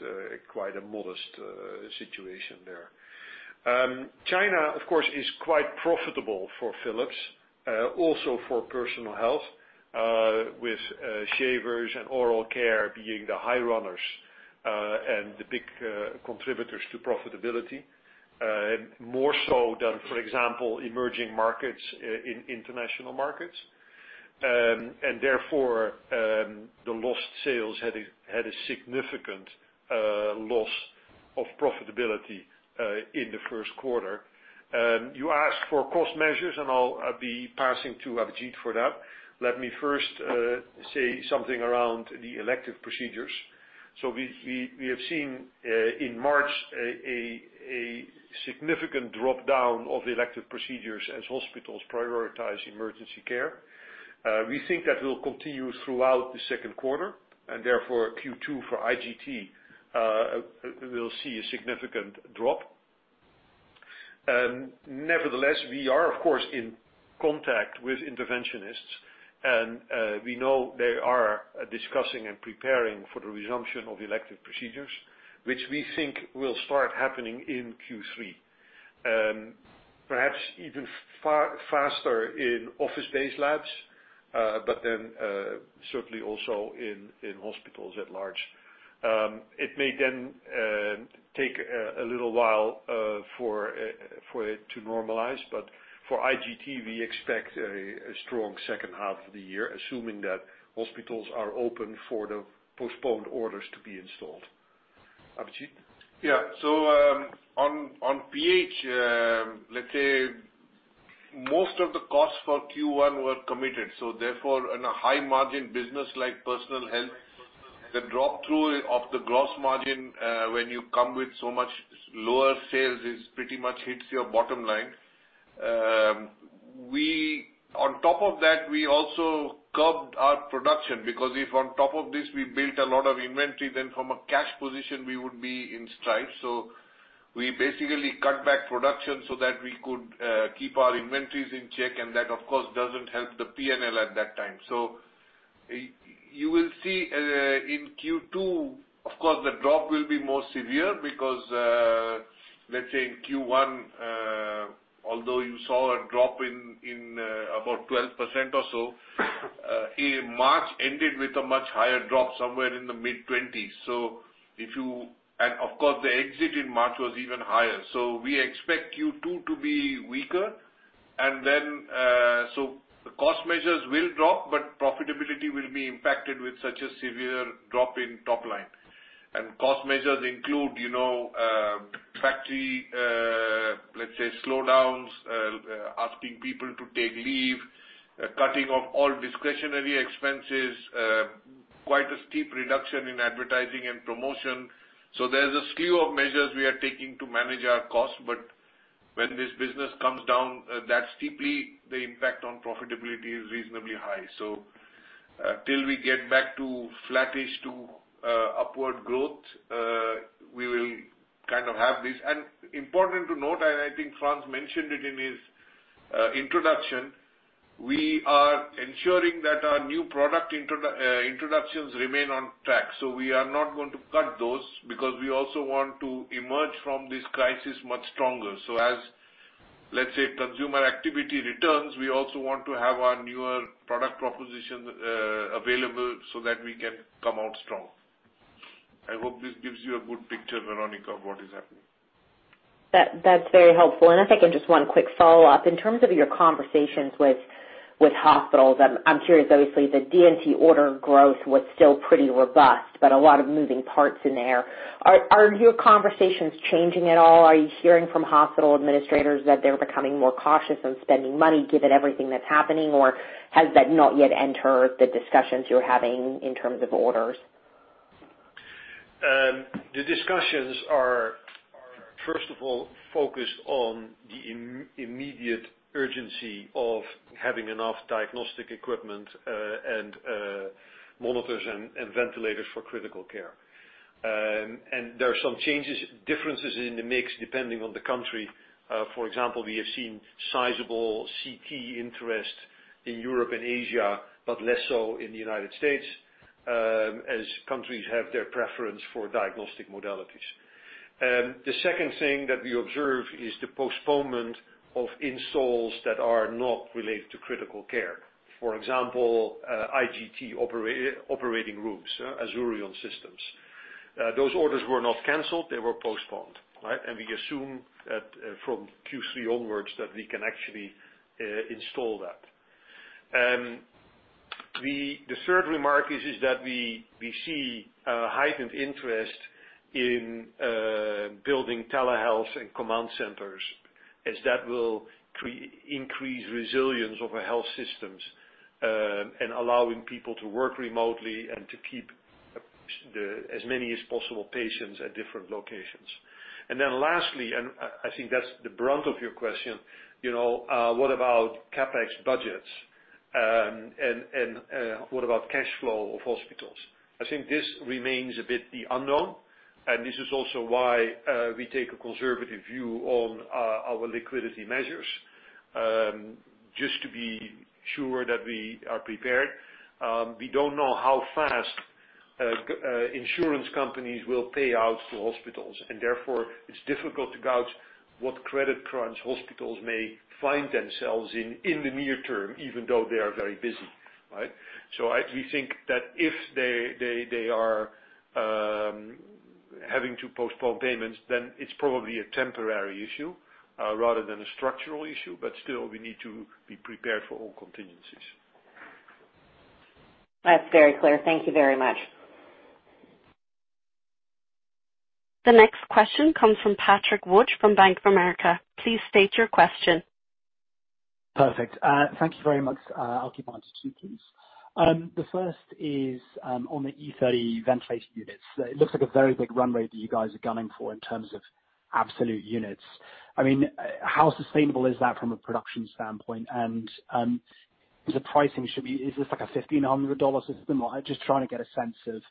quite a modest situation there. China, of course, is quite profitable for Philips, also for Personal Health, with shavers and oral care being the high runners, and the big contributors to profitability, more so than, for example, emerging markets in international markets. Therefore, the lost sales had a significant loss of profitability in the first quarter. You asked for cost measures, and I'll be passing to Abhijit for that. Let me first say something around the elective procedures. We have seen, in March, a significant drop-down of elective procedures as hospitals prioritize emergency care. We think that will continue throughout the second quarter, and therefore Q2 for IGT, we'll see a significant drop. Nevertheless, we are, of course, in contact with interventionists, and we know they are discussing and preparing for the resumption of elective procedures, which we think will start happening in Q3. Perhaps even faster in office-based labs. Certainly also in hospitals at large. It may then take a little while for it to normalize. For IGT, we expect a strong second half of the year, assuming that hospitals are open for the postponed orders to be installed. Abhijit. On PH, let's say most of the costs for Q1 were committed. Therefore, in a high-margin business like Personal Health, the drop through of the gross margin, when you come with so much lower sales, pretty much hits your bottom line. On top of that, we also curbed our production, because if on top of this, we built a lot of inventory, then from a cash position, we would be in strife. We basically cut back production so that we could keep our inventories in check, and that, of course, doesn't help the P&L at that time. You will see, in Q2, of course, the drop will be more severe because, let's say in Q1, although you saw a drop in about 12% or so, in March ended with a much higher drop, somewhere in the mid-20s. Of course, the exit in March was even higher. We expect Q2 to be weaker. So the cost measures will drop, but profitability will be impacted with such a severe drop in top line. Cost measures include factory, let's say slowdowns, asking people to take leave, cutting off all discretionary expenses, quite a steep reduction in advertising and promotion. There's a slew of measures we are taking to manage our cost, but when this business comes down that steeply, the impact on profitability is reasonably high. Till we get back to flattish to upward growth, we will kind of have this. Important to note, and I think Frans mentioned it in his introduction, we are ensuring that our New Product Introductions remain on track. We are not going to cut those because we also want to emerge from this crisis much stronger. As, let's say, consumer activity returns, we also want to have our newer product proposition available so that we can come out strong. I hope this gives you a good picture, Veronika, of what is happening. That's very helpful. If I can, just one quick follow-up. In terms of your conversations with hospitals, I'm curious. Obviously, the D&T order growth was still pretty robust, but a lot of moving parts in there. Are your conversations changing at all? Are you hearing from hospital administrators that they're becoming more cautious on spending money given everything that's happening? Has that not yet entered the discussions you're having in terms of orders? The discussions are, first of all, focused on the immediate urgency of having enough diagnostic equipment, and monitors and ventilators for critical care. There are some changes, differences in the mix depending on the country. For example, we have seen sizable CT interest in Europe and Asia, but less so in the U.S., as countries have their preference for diagnostic modalities. The second thing that we observe is the postponement of installs that are not related to critical care. For example, IGT operating rooms, Azurion systems. Those orders were not canceled, they were postponed, right? We assume that from Q3 onwards, that we can actually install that. The third remark is that we see a heightened interest in building telehealth and command centers, as that will increase resilience of our health systems, and allowing people to work remotely and to keep as many as possible patients at different locations. Then lastly, and I think that's the brunt of your question, what about CapEx budgets? And what about cash flow of hospitals? I think this remains a bit the unknown, and this is also why we take a conservative view on our liquidity measures, just to be sure that we are prepared. We don't know how fast insurance companies will pay out to hospitals, and therefore it's difficult to gauge what credit crunch hospitals may find themselves in the near term, even though they are very busy. We think that if they are having to postpone payments, then it's probably a temporary issue rather than a structural issue. Still, we need to be prepared for all contingencies. That's very clear. Thank you very much. The next question comes from Patrick Wood from Bank of America. Please state your question. Perfect. Thank you very much. I'll keep mine to two, please. The first is, on the E30 ventilation units. It looks like a very big run rate that you guys are gunning for in terms of absolute units. How sustainable is that from a production standpoint? The pricing, is this like a EUR 1,500 system? I'm just trying to get a sense of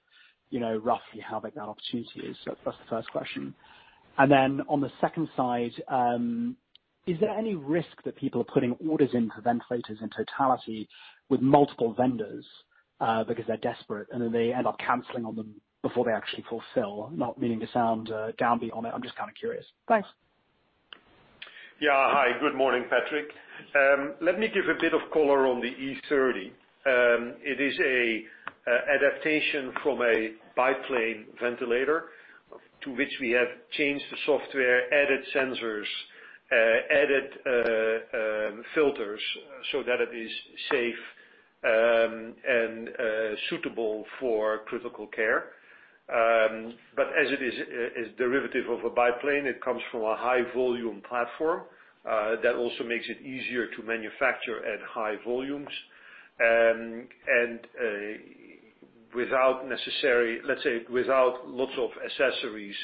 roughly how big that opportunity is. That's the first question. On the second side, is there any risk that people are putting orders in for ventilators in totality with multiple vendors, because they're desperate and then they end up canceling on them before they actually fulfill? Not meaning to sound down beyond it, I'm just kind of curious. Thanks. Yeah. Hi, good morning, Patrick. Let me give a bit of color on the E30. It is an adaptation from a BiPAP ventilator to which we have changed the software, added sensors, added filters so that it is safe and suitable for critical care. As it is a derivative of a BiPAP, it comes from a high volume platform. That also makes it easier to manufacture at high volumes. Let's say, without lots of accessories,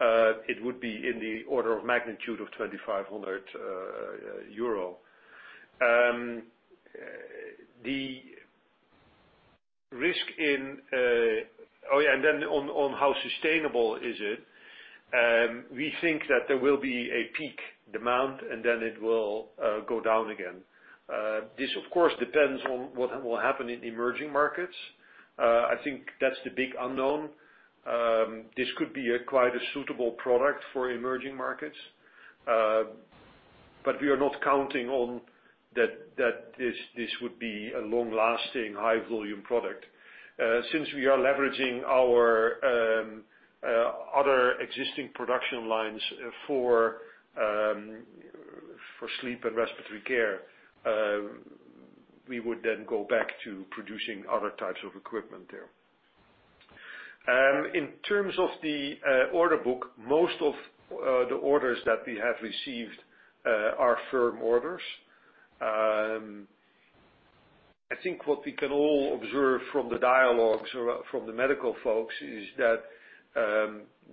it would be in the order of magnitude of 2,500 euro. On how sustainable is it, we think that there will be a peak demand and then it will go down again. This, of course, depends on what will happen in emerging markets. I think that's the big unknown. This could be quite a suitable product for emerging markets. We are not counting on that this would be a long-lasting, high volume product. Since we are leveraging our other existing production lines for sleep and respiratory care, we would then go back to producing other types of equipment there. In terms of the order book, most of the orders that we have received are firm orders. I think what we can all observe from the dialogues from the medical folks is that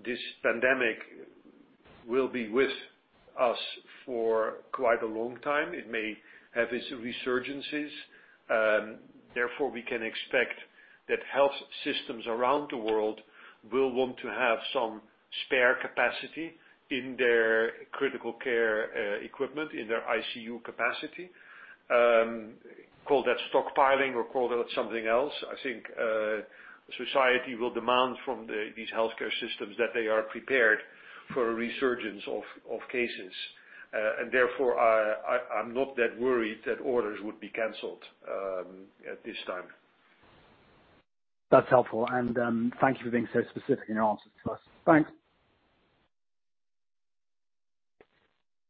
this pandemic will be with us for quite a long time. It may have its resurgences. We can expect that health systems around the world will want to have some spare capacity in their critical care equipment, in their ICU capacity. Call that stockpiling or call that something else, I think, society will demand from these healthcare systems that they are prepared for a resurgence of cases. Therefore, I'm not that worried that orders would be canceled at this time. That's helpful. Thank you for being so specific in your answers to us. Thanks.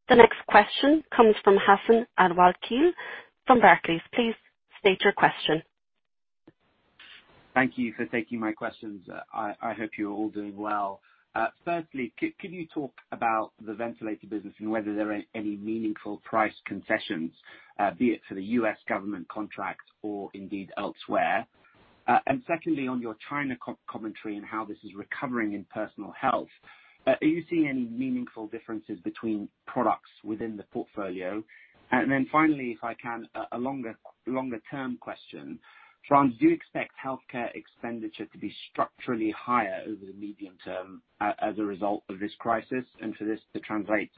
The next question comes from Hassan Al-Wakeel from Barclays. Please state your question. Thank you for taking my questions. I hope you're all doing well. Firstly, can you talk about the ventilator business and whether there are any meaningful price concessions, be it for the U.S. government contract or indeed elsewhere? Secondly, on your China commentary and how this is recovering in personal health, are you seeing any meaningful differences between products within the portfolio? Finally, if I can, a longer term question. Frans, do you expect healthcare expenditure to be structurally higher over the medium term as a result of this crisis, and for this to translate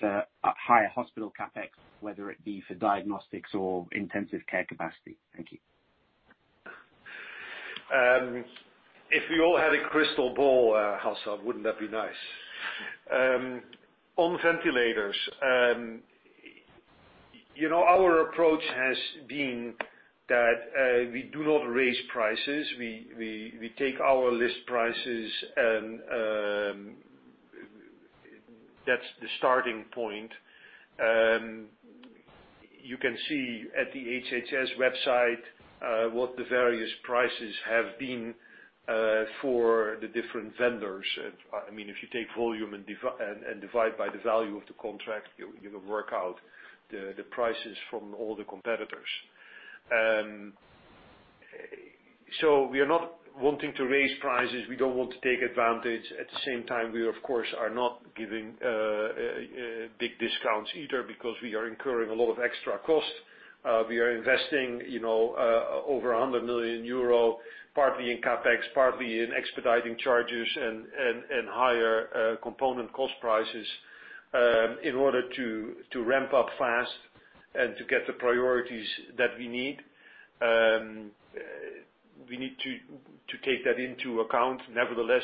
to higher hospital CapEx, whether it be for diagnostics or intensive care capacity? Thank you. If we all had a crystal ball, Hassan, wouldn't that be nice? On ventilators, our approach has been that, we do not raise prices. We take our list prices and that's the starting point. You can see at the HHS website, what the various prices have been for the different vendors. If you take volume and divide by the value of the contract, you can work out the prices from all the competitors. We are not wanting to raise prices. We don't want to take advantage. At the same time, we, of course, are not giving big discounts either, because we are incurring a lot of extra costs. We are investing over 100 million euro, partly in CapEx, partly in expediting charges and higher component cost prices in order to ramp up fast and to get the priorities that we need. We need to take that into account. Nevertheless,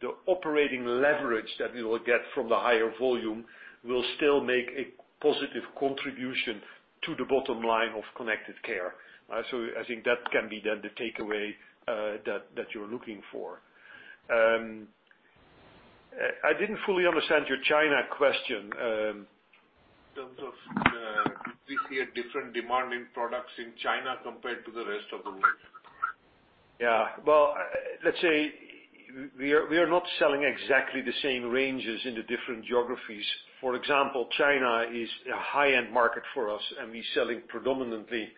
the operating leverage that we will get from the higher volume will still make a positive contribution to the bottom line of connected care. I think that can be then the takeaway that you're looking for. I didn't fully understand your China question. In terms of, do we see a different demand in products in China compared to the rest of the world? Yeah. Well, let's say, we are not selling exactly the same ranges in the different geographies. For example, China is a high-end market for us, and we're selling predominantly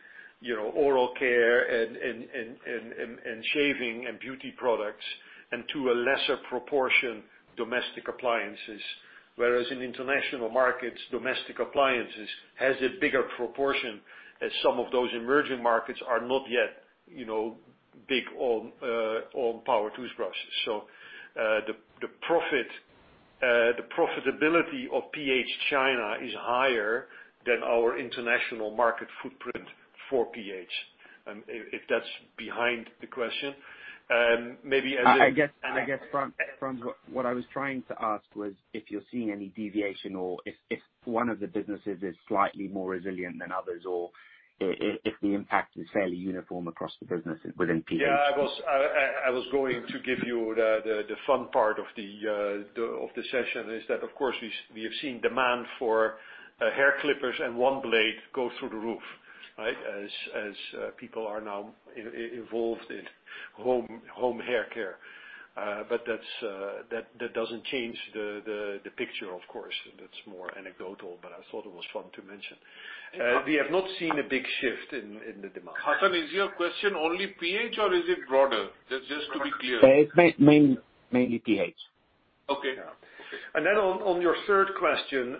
oral care and shaving and beauty products, and to a lesser proportion, domestic appliances. Whereas in international markets, domestic appliances has a bigger proportion, as some of those emerging markets are not yet big on power toothbrushes. The profitability of PH China is higher than our international market footprint for PH. If that's behind the question. I guess, Frans, what I was trying to ask was if you're seeing any deviation or if one of the businesses is slightly more resilient than others, or if the impact is fairly uniform across the business within PH. Yeah, I was going to give you the fun part of the session is that, of course, we have seen demand for hair clippers and OneBlade go through the roof, right? As people are now involved in home hair care. That doesn't change the picture, of course. That's more anecdotal, I thought it was fun to mention. We have not seen a big shift in the demand. Hassan, is your question only PH or is it broader? Just to be clear. Mainly PH. Okay. On your third question,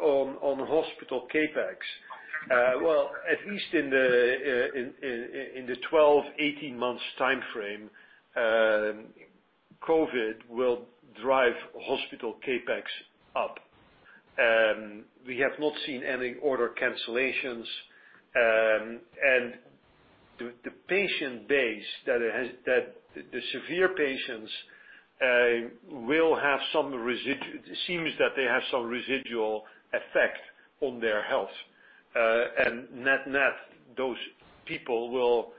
on hospital CapEx. Well, at least in the 12, 18 months timeframe, COVID will drive hospital CapEx up. We have not seen any order cancellations. The patient base, the severe patients, it seems that they have some residual effect on their health. Net, those people will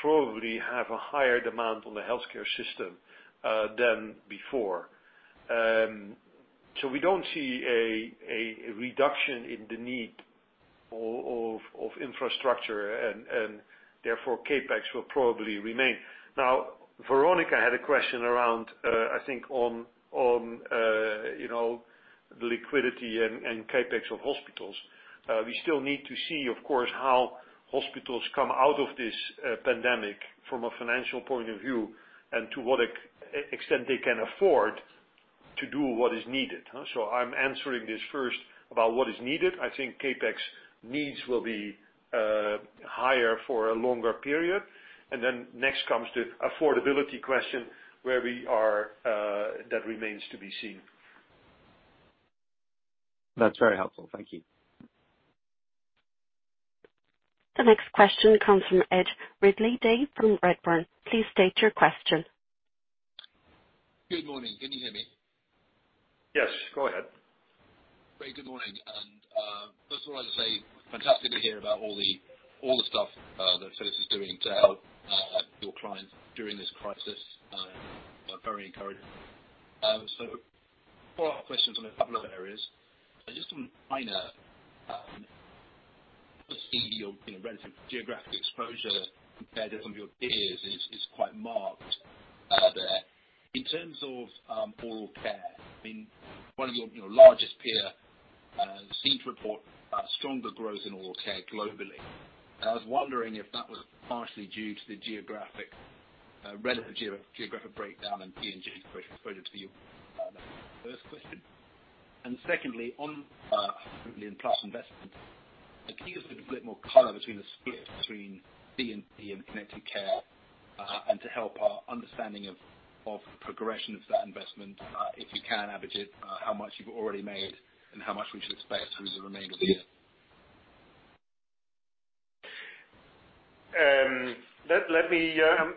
probably have a higher demand on the healthcare system, than before. We don't see a reduction in the need of infrastructure, and therefore CapEx will probably remain. Veronika had a question around, I think, on the liquidity and CapEx of hospitals. We still need to see, of course, how hospitals come out of this pandemic from a financial point of view, and to what extent they can afford to do what is needed. I'm answering this first about what is needed. I think CapEx needs will be higher for a longer period, and then next comes the affordability question, that remains to be seen. That's very helpful. Thank you. The next question comes from Ed Ridley-Day from Redburn. Please state your question. Good morning. Can you hear me? Yes, go ahead. Great, good morning. First of all, I'll just say, fantastic to hear about all the stuff that Philips is doing to help your clients during this crisis. I'm very encouraged. Follow-up questions on a couple of areas. Just on minor, obviously your relative geographic exposure compared to some of your peers is quite marked there. In terms of oral care, one of your largest peer seems to report stronger growth in oral care globally. I was wondering if that was partially due to the relative geographic breakdown in P&G, which exposed it to you. That's my first question. Secondly, on R&D and [PLUS] investments, can you just give a bit more color between the split between D&T and Connected Care, and to help our understanding of progression of that investment, if you can, Abhijit, how much you've already made and how much we should expect through the remainder of the year?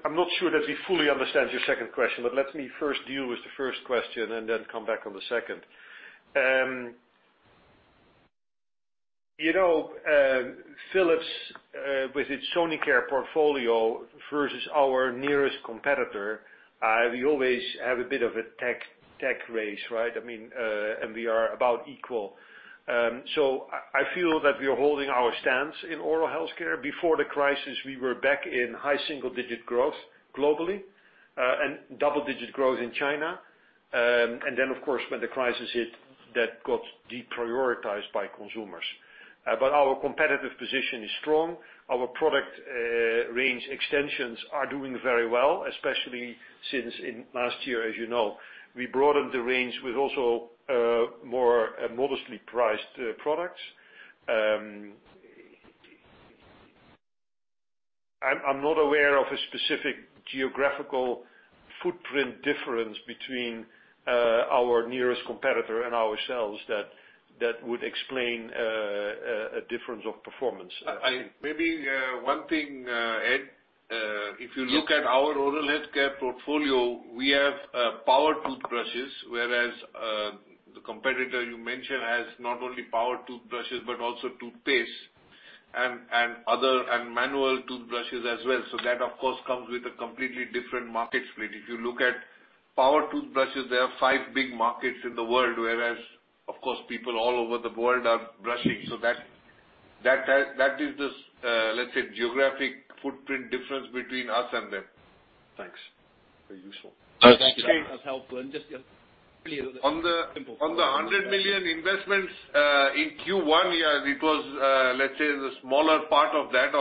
I'm not sure that we fully understand your second question. Let me first deal with the first question then come back on the second. Philips, with its Sonicare portfolio versus our nearest competitor, we always have a bit of a tech race, right? We are about equal. I feel that we are holding our stance in oral health care. Before the crisis, we were back in high single-digit growth globally, and double-digit growth in China. Of course, when the crisis hit, that got deprioritized by consumers. Our competitive position is strong. Our product range extensions are doing very well, especially since last year, as you know. We broadened the range with also more modestly priced products. I'm not aware of a specific geographical footprint difference between our nearest competitor and ourselves that would explain a difference of performance. Maybe one thing, Ed. If you look at our oral healthcare portfolio, we have power toothbrushes, whereas the competitor you mentioned has not only power toothbrushes, but also toothpaste and manual toothbrushes as well. That, of course, comes with a completely different market split. If you look at power toothbrushes, there are five big markets in the world, whereas, of course, people all over the world are brushing. That is this, let's say, geographic footprint difference between us and them. Thanks. Very useful. That's helpful. On the 100 million investments, in Q1, it was, let's say, the smaller part of that.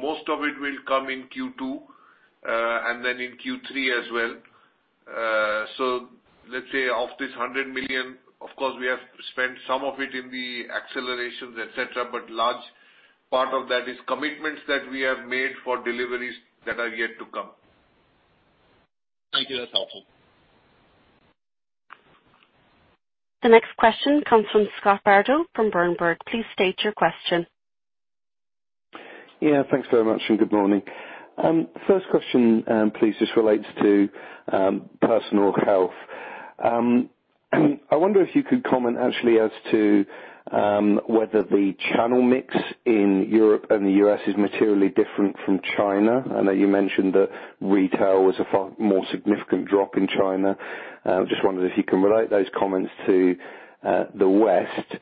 Most of it will come in Q2, and then in Q3 as well. Let's say of this 100 million, of course, we have spent some of it in the accelerations, et cetera, but large part of that is commitments that we have made for deliveries that are yet to come. Thank you. That's helpful. The next question comes from Scott Bardo from Berenberg. Please state your question. Yeah. Thanks very much, and good morning. First question, please, just relates to Personal Health. I wonder if you could comment actually as to whether the channel mix in Europe and the U.S. is materially different from China. I know you mentioned that retail was a far more significant drop in China. Just wondered if you can relate those comments to the West.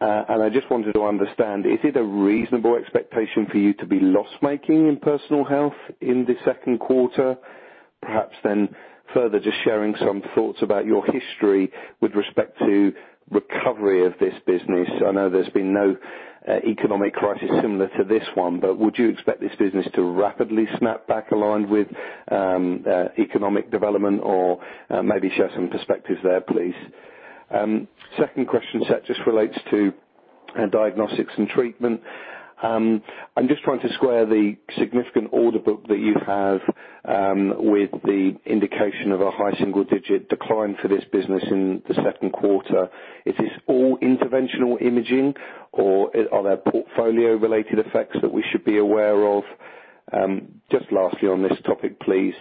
I just wanted to understand, is it a reasonable expectation for you to be loss-making in Personal Health in the second quarter? Further just sharing some thoughts about your history with respect to recovery of this business. I know there's been no economic crisis similar to this one, but would you expect this business to rapidly snap back aligned with economic development? Maybe share some perspectives there, please. Second question set just relates to Diagnosis & Treatment. I'm just trying to square the significant order book that you have with the indication of a high single-digit decline for this business in the second quarter. Is this all interventional imaging or are there portfolio-related effects that we should be aware of? Just lastly on this topic, please.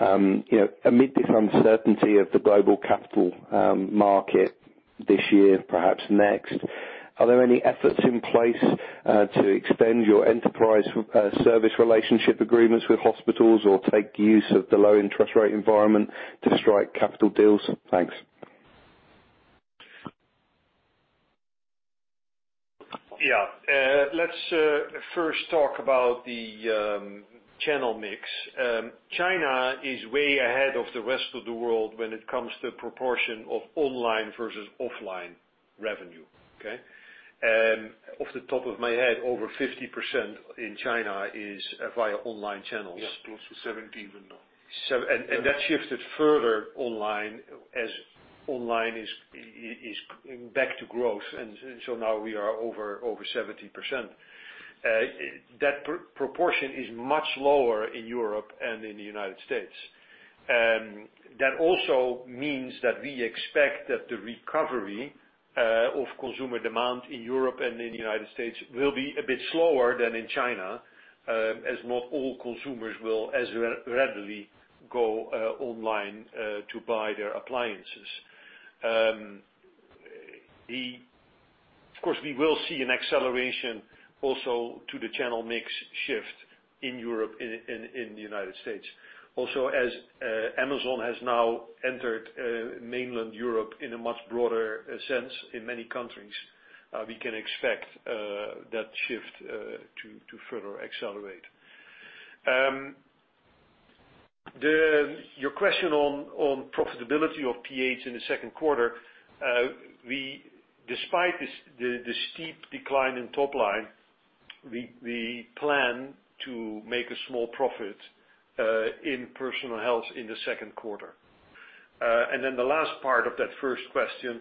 Amid this uncertainty of the global capital market this year, perhaps next, are there any efforts in place to extend your enterprise service relationship agreements with hospitals or take use of the low interest rate environment to strike capital deals? Thanks. Yeah. Let's first talk about the channel mix. China is way ahead of the rest of the world when it comes to proportion of online versus offline revenue. Okay? Off the top of my head, over 50% in China is via online channels. Yes, close to 70 even now. That shifted further online, as online is back to growth. Now we are over 70%. That proportion is much lower in Europe and in the U.S. That also means that we expect that the recovery of consumer demand in Europe and in the U.S. will be a bit slower than in China, as not all consumers will as readily go online to buy their appliances. Of course, we will see an acceleration also to the channel mix shift in Europe and in the U.S. Also, as Amazon has now entered mainland Europe in a much broader sense in many countries, we can expect that shift to further accelerate. Your question on profitability of PH in the second quarter. Despite the steep decline in top line, we plan to make a small profit in Personal Health in the second quarter. Then the last part of that first question,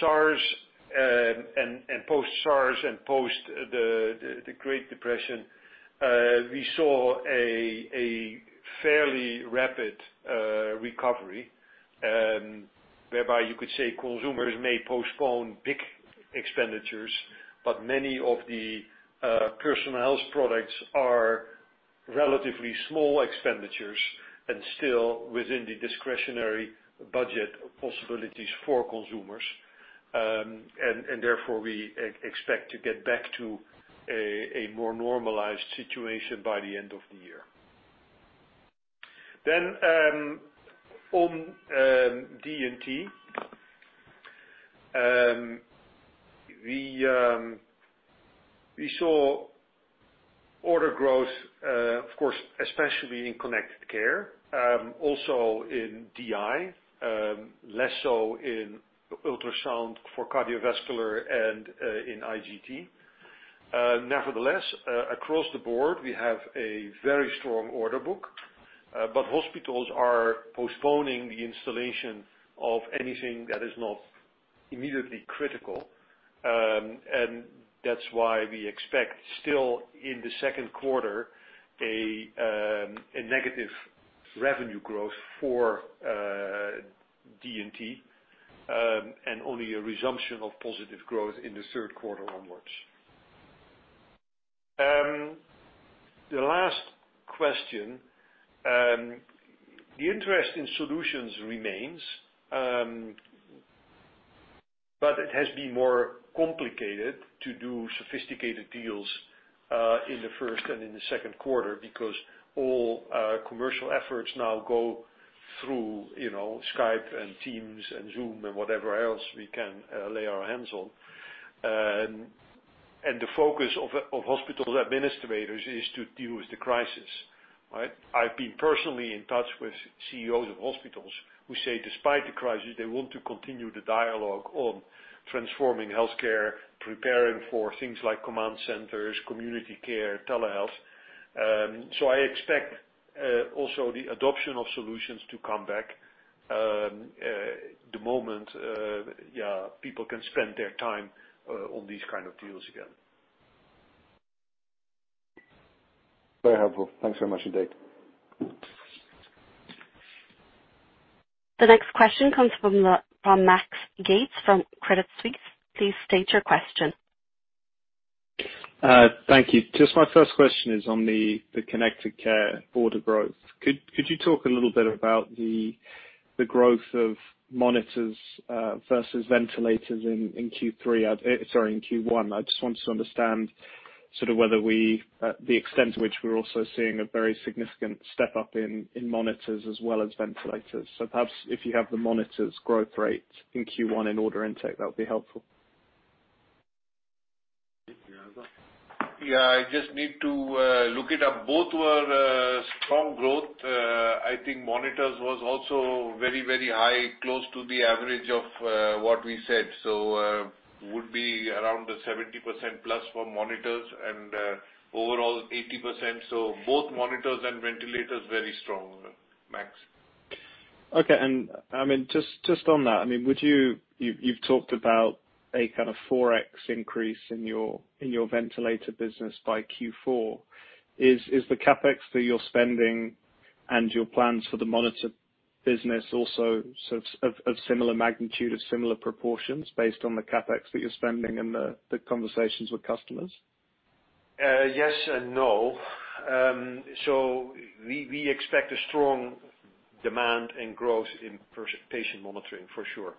SARS and post SARS and post the Great Depression, we saw a fairly rapid recovery, whereby you could say consumers may postpone big expenditures, but many of the personal health products are relatively small expenditures and still within the discretionary budget possibilities for consumers. Therefore, we expect to get back to a more normalized situation by the end of the year. On D&T, we saw order growth, of course, especially in Connected Care. Also in DI, less so in ultrasound for cardiovascular and in IGT. Nevertheless, across the board, we have a very strong order book. Hospitals are postponing the installation of anything that is not immediately critical. That's why we expect still in the second quarter, a negative revenue growth for D&T, and only a resumption of positive growth in the third quarter onwards. The last question, the interest in solutions remains, but it has been more complicated to do sophisticated deals, in the first and in the second quarter because all commercial efforts now go through Skype and Teams and Zoom and whatever else we can lay our hands on. The focus of hospital administrators is to deal with the crisis. Right? I've been personally in touch with CEOs of hospitals who say despite the crisis, they want to continue the dialogue on transforming healthcare, preparing for things like command centers, community care, telehealth. I expect also the adoption of solutions to come back the moment people can spend their time on these kind of deals again. Very helpful. Thanks very much indeed. The next question comes from Max [Yates] from Credit Suisse. Please state your question. Thank you. Just my first question is on the Connected Care order growth. Could you talk a little bit about the growth of monitors, versus ventilators in Q1. I just wanted to understand sort of the extent to which we're also seeing a very significant step up in monitors as well as ventilators. Perhaps if you have the monitors growth rate in Q1 in order intake, that would be helpful. Yeah. I just need to look it up. Both were strong growth. I think monitors was also very, very high, close to the average of what we said. Would be around the 70% plus for monitors and, overall 80%. Both monitors and ventilators very strong, Max. Okay. Just on that, you've talked about a kind of 4x increase in your ventilator business by Q4. Is the CapEx that you're spending and your plans for the monitor business also sort of similar magnitude of similar proportions based on the CapEx that you're spending and the conversations with customers? Yes and no. We expect a strong demand and growth in patient monitoring for sure.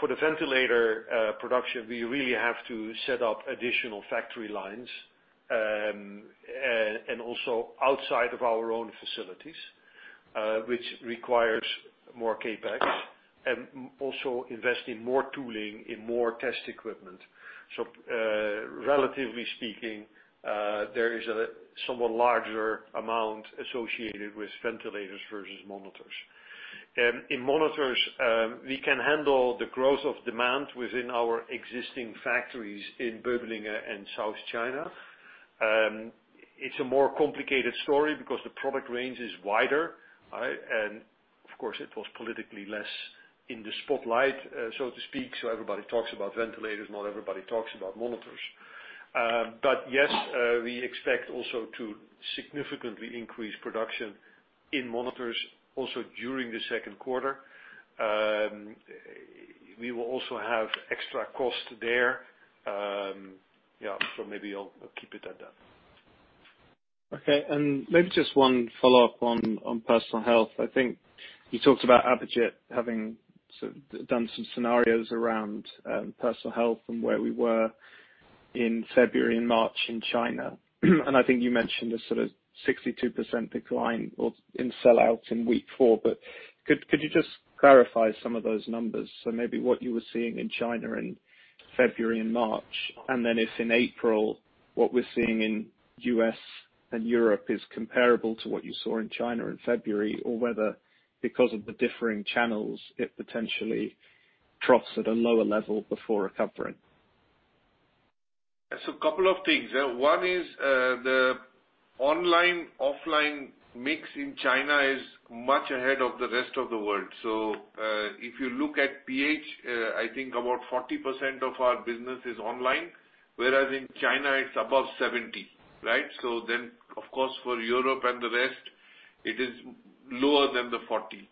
For the ventilator production, we really have to set up additional factory lines, and also outside of our own facilities, which requires more CapEx. Also invest in more tooling, in more test equipment. Relatively speaking, there is a somewhat larger amount associated with ventilators versus monitors. In monitors, we can handle the growth of demand within our existing factories in Böblingen and South China. It's a more complicated story because the product range is wider, right? Of course it was politically less in the spotlight, so to speak, so everybody talks about ventilators, not everybody talks about monitors. Yes, we expect also to significantly increase production in monitors also during the second quarter. We will also have extra cost there. Yeah. Maybe I'll keep it at that. Maybe just one follow-up on personal health. I think you talked about Abhijit having done some scenarios around personal health and where we were in February and March in China. I think you mentioned a sort of 62% decline or in sell-outs in week four. Could you just clarify some of those numbers? Maybe what you were seeing in China in February and March, and then if in April what we're seeing in the U.S. and Europe is comparable to what you saw in China in February, or whether because of the differing channels, it potentially troughs at a lower level before recovering. A couple of things. One is, the online-offline mix in China is much ahead of the rest of the world. If you look at Philips, I think about 40% of our business is online, whereas in China it's above 70%, right? Of course for Europe and the rest, it is lower than the 40%.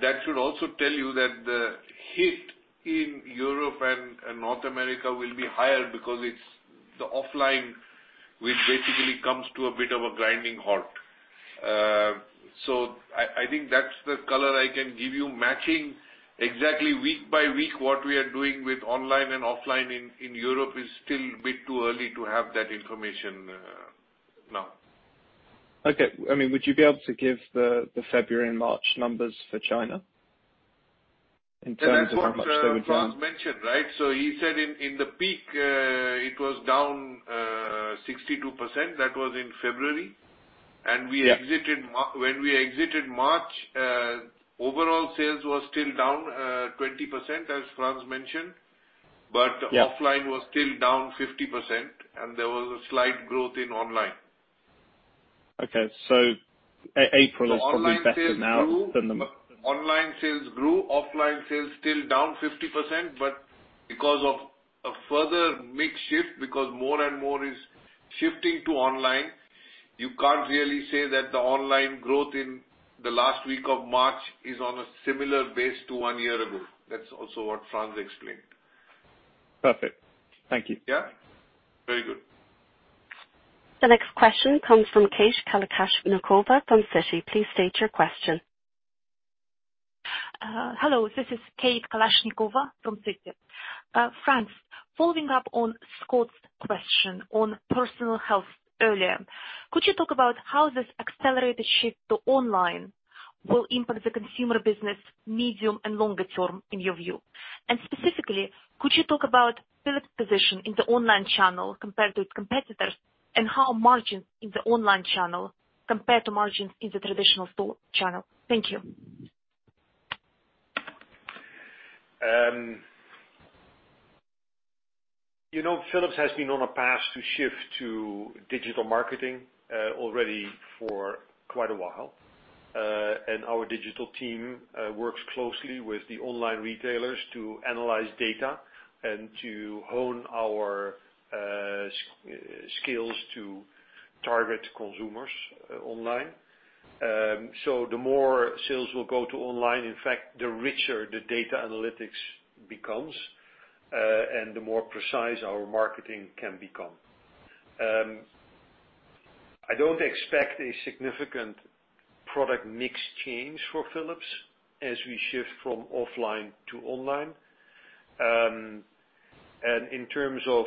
That should also tell you that the hit in Europe and North America will be higher because it's the offline, which basically comes to a bit of a grinding halt. I think that's the color I can give you. Matching exactly week by week what we are doing with online and offline in Europe is still a bit too early to have that information now. Okay. Would you be able to give the February and March numbers for China? As what Frans mentioned, he said in the peak, it was down 62%, that was in February. Yeah. When we exited March, overall sales were still down 20%, as Frans mentioned. Yeah. Offline was still down 50%, and there was a slight growth in online. Okay. April is probably better now than. Online sales grew. Offline sales still down 50%, but because of a further mix shift, because more and more is shifting to online, you can't really say that the online growth in the last week of March is on a similar base to one year ago. That's also what Frans explained. Perfect. Thank you. Yeah. Very good. The next question comes from Kate Kalashnikova from Citi. Please state your question. Hello, this is Kate Kalashnikova from Citi. Frans, following up on Scott's question on personal health earlier, could you talk about how this accelerated shift to online will impact the consumer business, medium and longer term, in your view? Specifically, could you talk about Philips' position in the online channel compared to its competitors, and how margins in the online channel compare to margins in the traditional store channel? Thank you. You know, Philips has been on a path to shift to digital marketing already for quite a while. Our digital team works closely with the online retailers to analyze data and to hone our skills to target consumers online. The more sales will go to online, in fact, the richer the data analytics becomes. The more precise our marketing can become. I don't expect a significant product mix change for Philips as we shift from offline to online. In terms of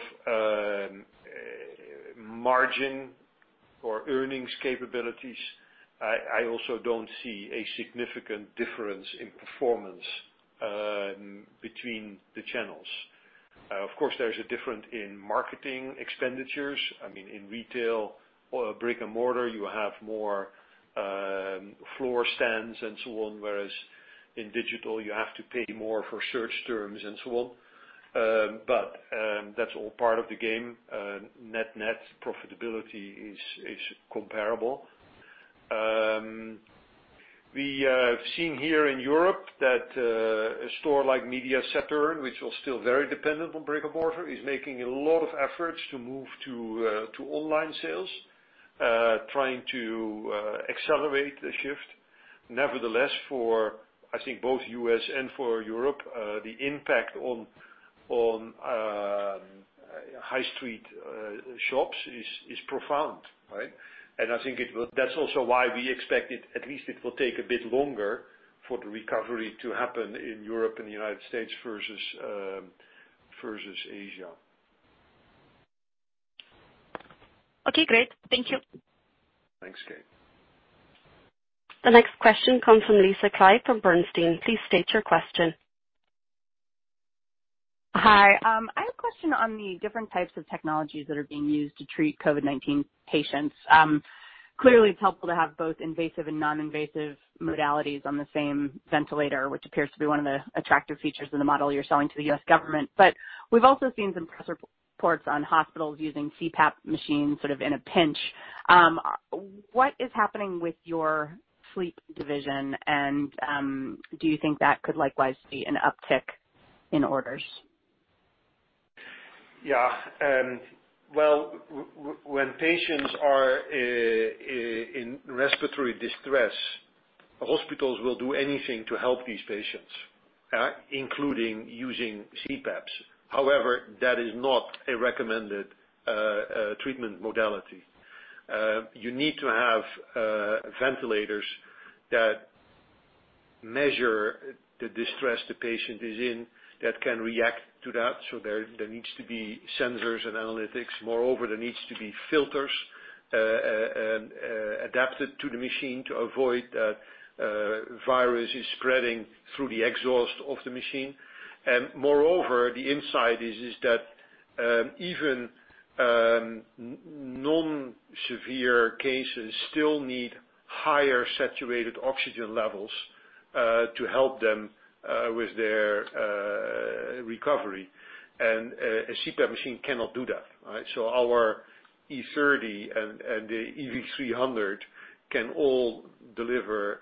margin or earnings capabilities, I also don't see a significant difference in performance between the channels. Of course, there is a difference in marketing expenditures. In retail or brick-and-mortar, you have more floor stands and so on, whereas in digital, you have to pay more for search terms and so on. That's all part of the game. Net profitability is comparable. We have seen here in Europe that a store like MediaMarktSaturn, which was still very dependent on brick-and-mortar, is making a lot of efforts to move to online sales, trying to accelerate the shift. Nevertheless, for, I think both U.S. and for Europe, the impact on high street shops is profound, right? I think that's also why we expect at least it will take a bit longer for the recovery to happen in Europe and the United States versus Asia. Okay, great. Thank you. Thanks, Kate. The next question comes from Lisa Clive from Bernstein. Please state your question. Hi. I have a question on the different types of technologies that are being used to treat COVID-19 patients. Clearly, it's helpful to have both invasive and non-invasive modalities on the same ventilator, which appears to be one of the attractive features of the model you're selling to the U.S. government. We've also seen some press reports on hospitals using CPAP machines sort of in a pinch. What is happening with your sleep division? Do you think that could likewise see an uptick in orders? Yeah. Well, when patients are in respiratory distress, hospitals will do anything to help these patients, including using CPAPs. However, that is not a recommended treatment modality. You need to have ventilators that measure the distress the patient is in, that can react to that. There needs to be sensors and analytics. Moreover, there needs to be filters adapted to the machine to avoid viruses spreading through the exhaust of the machine. Moreover, the insight is that even non-severe cases still need higher saturated oxygen levels, to help them with their recovery. A CPAP machine cannot do that. Our E30 and the EV300 can all deliver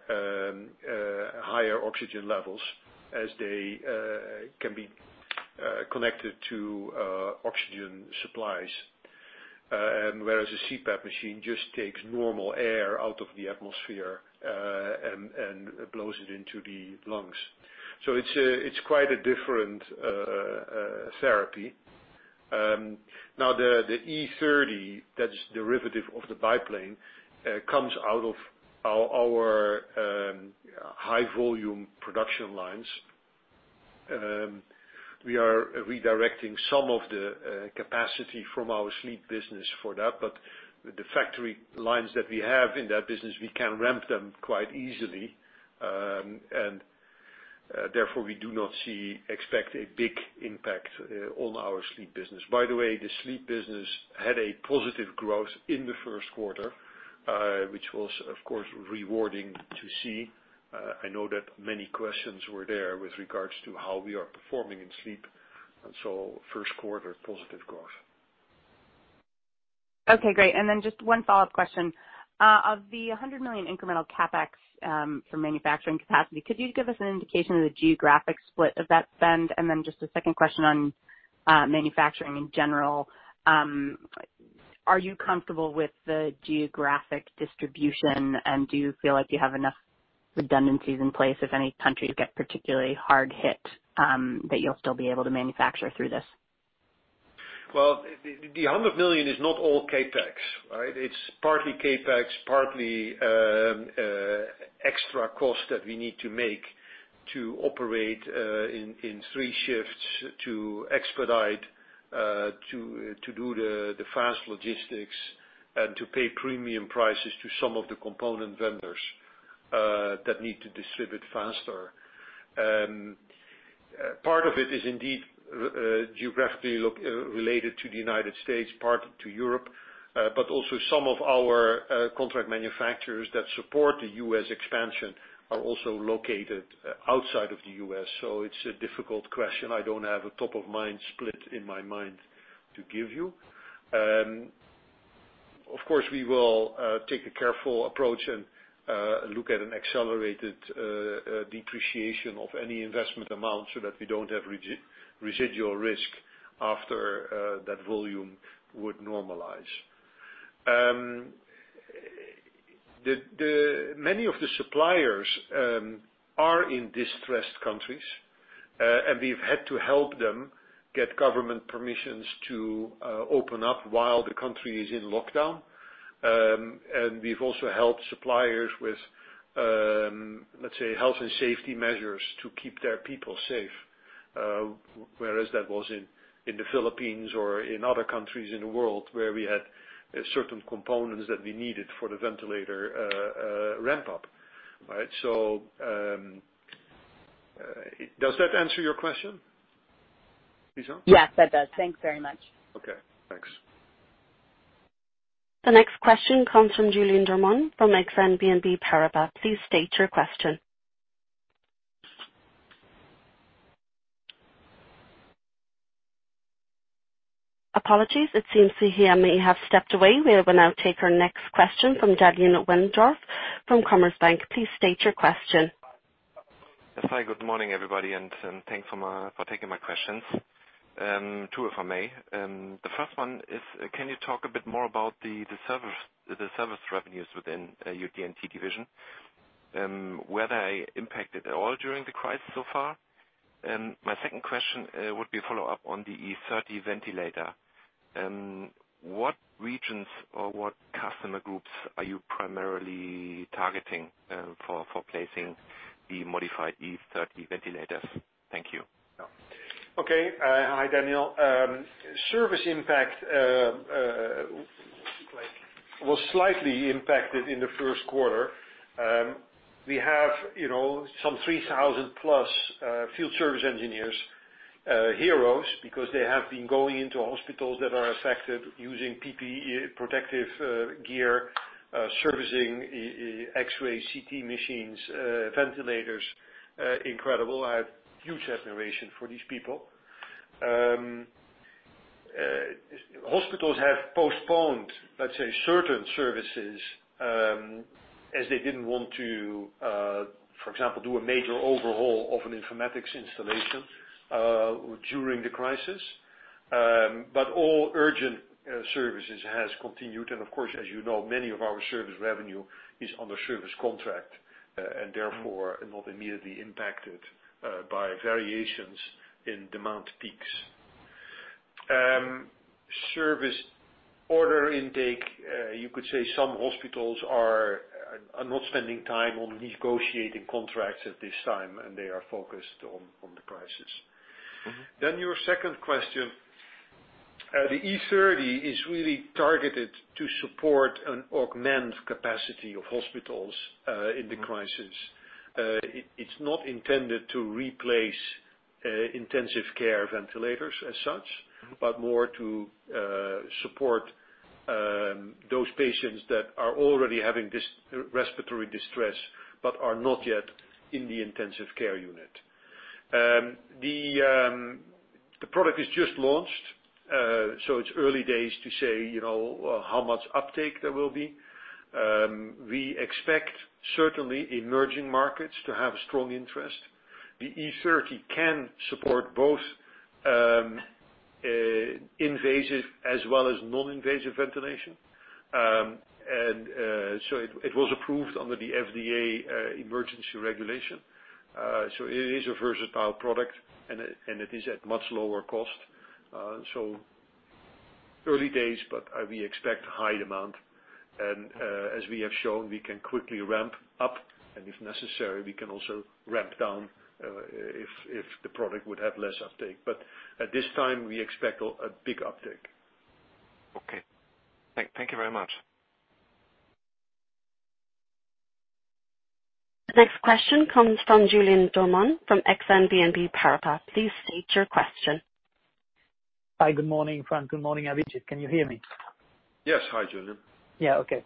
higher oxygen levels as they can be connected to oxygen supplies. Whereas a CPAP machine just takes normal air out of the atmosphere and blows it into the lungs. It's quite a different therapy. The E30, that's derivative of the BiPAP, comes out of our high volume production lines. We are redirecting some of the capacity from our sleep business for that. The factory lines that we have in that business, we can ramp them quite easily. Therefore, we do not expect a big impact on our sleep business. By the way, the sleep business had a positive growth in the first quarter, which was of course, rewarding to see. I know that many questions were there with regards to how we are performing in sleep. First quarter, positive growth. Okay, great. Just one follow-up question. Of the 100 million incremental CapEx for manufacturing capacity, could you give us an indication of the geographic split of that spend? Just a second question on manufacturing in general. Are you comfortable with the geographic distribution? Do you feel like you have enough redundancies in place if any countries get particularly hard hit, that you'll still be able to manufacture through this? Well, the 100 million is not all CapEx, right? It's partly CapEx, partly extra cost that we need to make to operate in three shifts to expedite, to do the fast logistics and to pay premium prices to some of the component vendors that need to distribute faster. Part of it is indeed, geographically related to the U.S., part to Europe. Also some of our contract manufacturers that support the U.S. expansion are also located outside of the U.S. It's a difficult question. I don't have a top of mind split in my mind to give you. Of course, we will take a careful approach and look at an accelerated depreciation of any investment amount so that we don't have residual risk after that volume would normalize. Many of the suppliers are in distressed countries. We've had to help them get government permissions to open up while the country is in lockdown. We've also helped suppliers with, let’s say, health and safety measures to keep their people safe, whereas that was in the Philippines or in other countries in the world where we had certain components that we needed for the ventilator ramp up, right? Does that answer your question, Lisa? Yes, that does. Thanks very much. Okay, thanks. The next question comes from Julien Dormois from Exane BNP Paribas. Please state your question. Apologies. It seems he may have stepped away. We will now take our next question from Daniel Wendorff from Commerzbank. Please state your question. Hi. Good morning, everybody, and thanks for taking my questions. Two, if I may. The first one is, can you talk a bit more about the service revenues within your D&T division, were they impacted at all during the crisis so far? My second question would be a follow-up on the E30 ventilator. What regions or what customer groups are you primarily targeting for placing the modified E30 ventilator? Thank you. Okay. Hi, Daniel. Service impact was slightly impacted in the first quarter. We have some 3,000 plus field service engineers, heroes, because they have been going into hospitals that are affected using PPE protective gear, servicing X-ray, CT machines, ventilators. Incredible. I have huge admiration for these people. Hospitals have postponed, let's say, certain services, as they didn't want to, for example, do a major overhaul of an informatics installation during the crisis. All urgent services has continued, and of course, as you know, many of our service revenue is under service contract, and therefore, not immediately impacted by variations in demand peaks. Service order intake, you could say some hospitals are not spending time on negotiating contracts at this time, and they are focused on the crisis. Your second question, the E30 is really targeted to support and augment capacity of hospitals in the crisis. It's not intended to replace intensive care ventilators as such, but more to support those patients that are already having respiratory distress but are not yet in the intensive care unit. The product is just launched, so it's early days to say how much uptake there will be. We expect certainly emerging markets to have strong interest. The E30 can support both invasive as well as non-invasive ventilation. It was approved under the FDA emergency regulation. It is a versatile product, and it is at much lower cost. Early days, but we expect high demand. As we have shown, we can quickly ramp up, and if necessary, we can also ramp down if the product would have less uptake. At this time, we expect a big uptake. Okay. Thank you very much. The next question comes from Julien Dormois from Exane BNP Paribas. Please state your question. Hi, good morning, Frans. Good morning, Abhijit. Can you hear me? Yes. Hi, Julien. Yeah. Okay.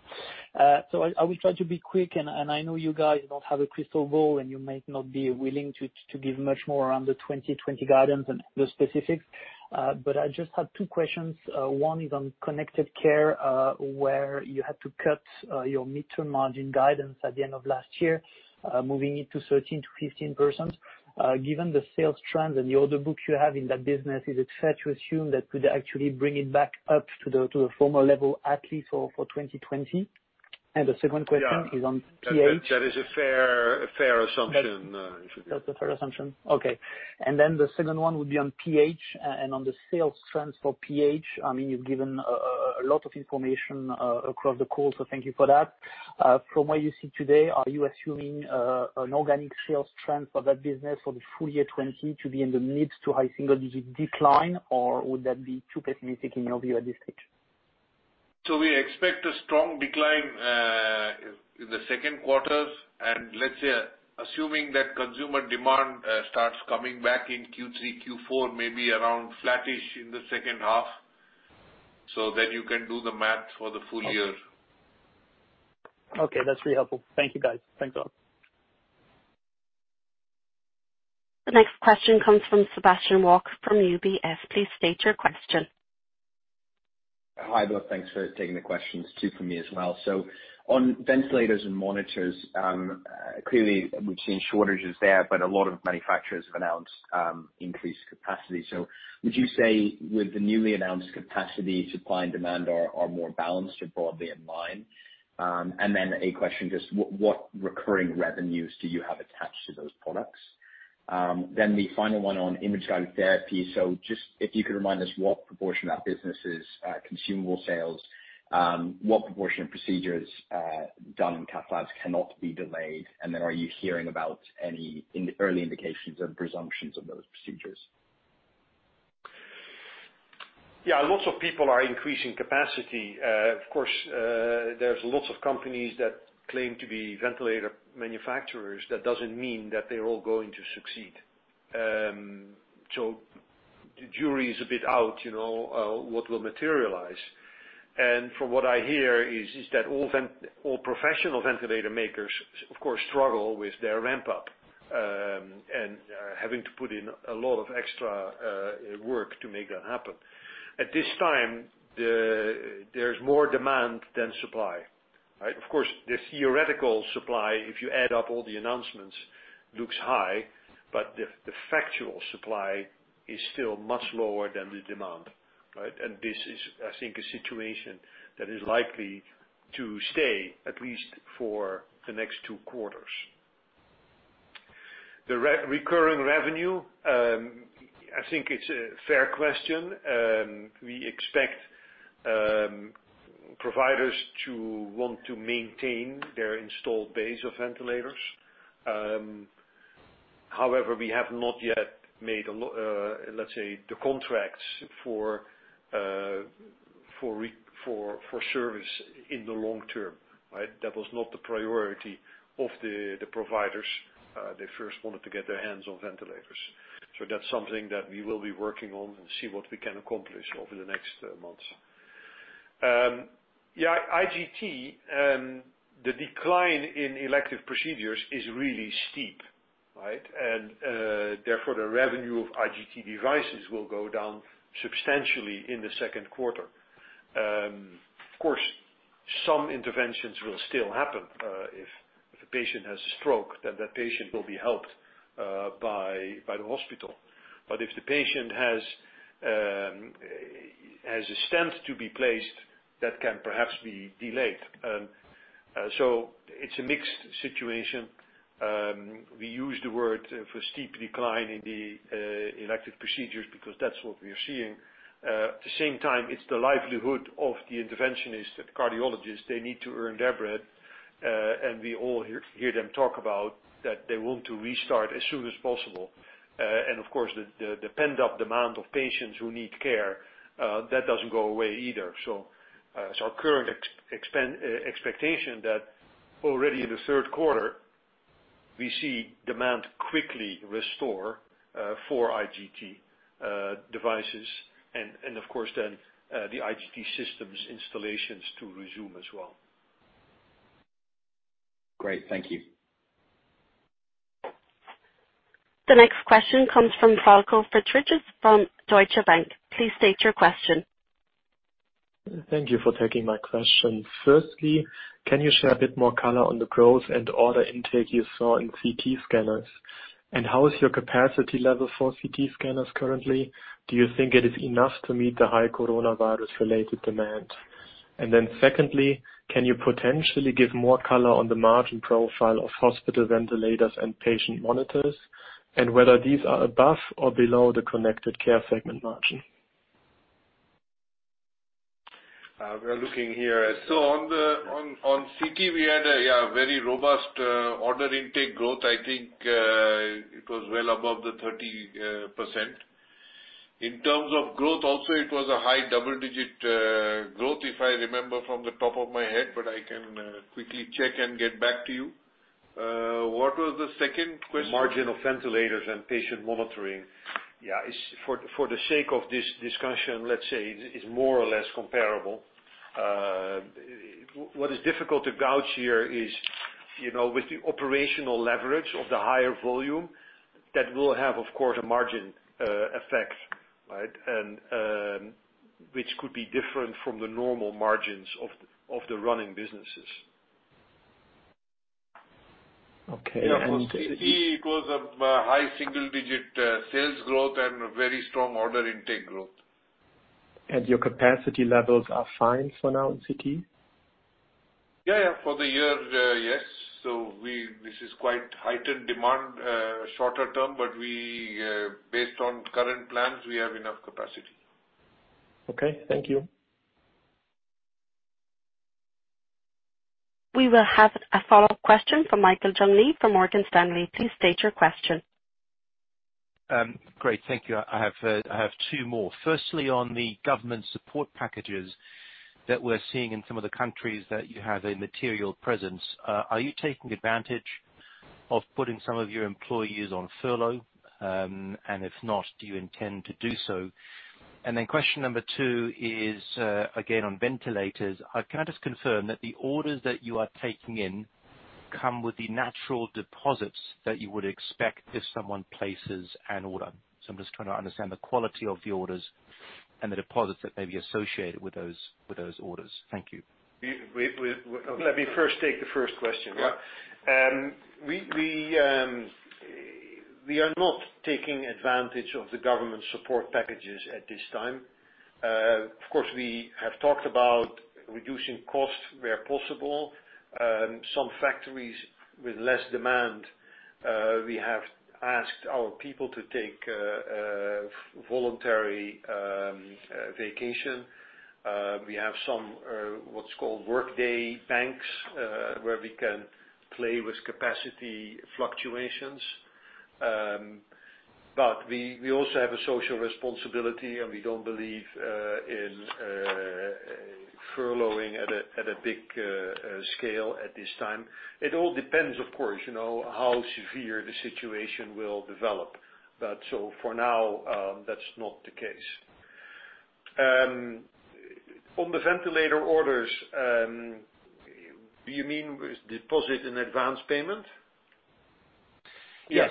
I will try to be quick, I know you guys don't have a crystal ball, and you might not be willing to give much more around the 2020 guidance and the specifics. I just have two questions. One is on Connected Care, where you had to cut your midterm margin guidance at the end of last year, moving it to 13%-15%. Given the sales trends and the order books you have in that business, is it fair to assume that could actually bring it back up to the former level, at least for 2020? The second question is on PH- That is a fair assumption. That's a fair assumption? Okay. The second one would be on PH and on the sales trends for PH. You've given a lot of information across the call. Thank you for that. From what you see today, are you assuming an organic sales trend for that business for the full year 2020 to be in the mid to high single-digit decline, or would that be too pessimistic in your view at this stage? We expect a strong decline in the second quarter. Let's say, assuming that consumer demand starts coming back in Q3, Q4, maybe around flattish in the second half. Then you can do the math for the full year. Okay. That's really helpful. Thank you, guys. Thanks a lot. The next question comes from [Sebastian Walk] from UBS. Please state your question. Hi, both. Thanks for taking the questions too from me as well. On ventilators and monitors, clearly we've seen shortages there, but a lot of manufacturers have announced increased capacity. Would you say with the newly announced capacity, supply and demand are more balanced or broadly in line? A question, just what recurring revenues do you have attached to those products? The final one on Image Guided Therapy. Just if you could remind us what proportion of that business is consumable sales, what proportion of procedures done in cath labs cannot be delayed, and then are you hearing about any early indications of resumptions of those procedures? Lots of people are increasing capacity. Of course, there's lots of companies that claim to be ventilator manufacturers. That doesn't mean that they're all going to succeed. The jury is a bit out, what will materialize. From what I hear, is that all professional ventilator makers, of course, struggle with their ramp-up, and having to put in a lot of extra work to make that happen. At this time, there's more demand than supply, right? Of course, the theoretical supply, if you add up all the announcements, looks high, but the factual supply is still much lower than the demand, right? This is, I think, a situation that is likely to stay at least for the next 2 quarters. The recurring revenue, I think it's a fair question. We expect providers to want to maintain their installed base of ventilators. However, we have not yet made, let's say, the contracts for service in the long term, right? That was not the priority of the providers. They first wanted to get their hands on ventilators. That's something that we will be working on and see what we can accomplish over the next months. Yeah, IGT, the decline in elective procedures is really steep, right? Therefore, the revenue of IGT devices will go down substantially in the second quarter. Of course, some interventions will still happen. If the patient has a stroke, then that patient will be helped by the hospital. If the patient has a stent to be placed, that can perhaps be delayed. It's a mixed situation. We use the word for steep decline in the elective procedures because that's what we are seeing. At the same time, it's the livelihood of the interventionists, the cardiologists. They need to earn their bread. We all hear them talk about that they want to restart as soon as possible. Of course, the pent-up demand of patients who need care, that doesn't go away either. It's our current expectation that already in the third quarter, we see demand quickly restore for IGT devices and of course then, the IGT systems installations to resume as well. Great. Thank you. The next question comes from Falko Friedrichs from Deutsche Bank. Please state your question. Thank you for taking my question. Firstly, can you share a bit more color on the growth and order intake you saw in CT scanners? How is your capacity level for CT scanners currently? Do you think it is enough to meet the high coronavirus-related demand? Secondly, can you potentially give more color on the margin profile of hospital ventilators and patient monitors, and whether these are above or below the connected care segment margin? We're looking here. On CT, we had a very robust order intake growth. I think, it was well above the 30%. In terms of growth also, it was a high double-digit growth, if I remember from the top of my head, but I can quickly check and get back to you. What was the second question? Margin of ventilators and patient monitoring. Yeah. For the sake of this discussion, let's say is more or less comparable. What is difficult to gauge here is, with the operational leverage of the higher volume, that will have, of course, a margin effect, which could be different from the normal margins of the running businesses. Okay. Yeah. For CT, it was a high single-digit sales growth and a very strong order intake growth. Your capacity levels are fine for now in CT? Yeah. For the year, yes. This is quite heightened demand, shorter term. Based on current plans, we have enough capacity. Okay. Thank you. We will have a follow-up question from Michael Jüngling from Morgan Stanley. Please state your question. Great. Thank you. I have two more. Firstly, on the government support packages that we're seeing in some of the countries that you have a material presence. Are you taking advantage of putting some of your employees on furlough? If not, do you intend to do so? Question number two is, again, on ventilators. Can I just confirm that the orders that you are taking in come with the natural deposits that you would expect if someone places an order? I'm just trying to understand the quality of the orders and the deposits that may be associated with those orders. Thank you. Let me first take the first question. Yeah. We are not taking advantage of the government support packages at this time. Of course, we have talked about reducing costs where possible. Some factories with less demand, we have asked our people to take voluntary vacation. We have some, what's called workday banks, where we can play with capacity fluctuations. We also have a social responsibility, and we don't believe in furloughing at a big scale at this time. It all depends, of course, how severe the situation will develop. For now, that's not the case. On the ventilator orders, do you mean deposit in advance payment? Yes. The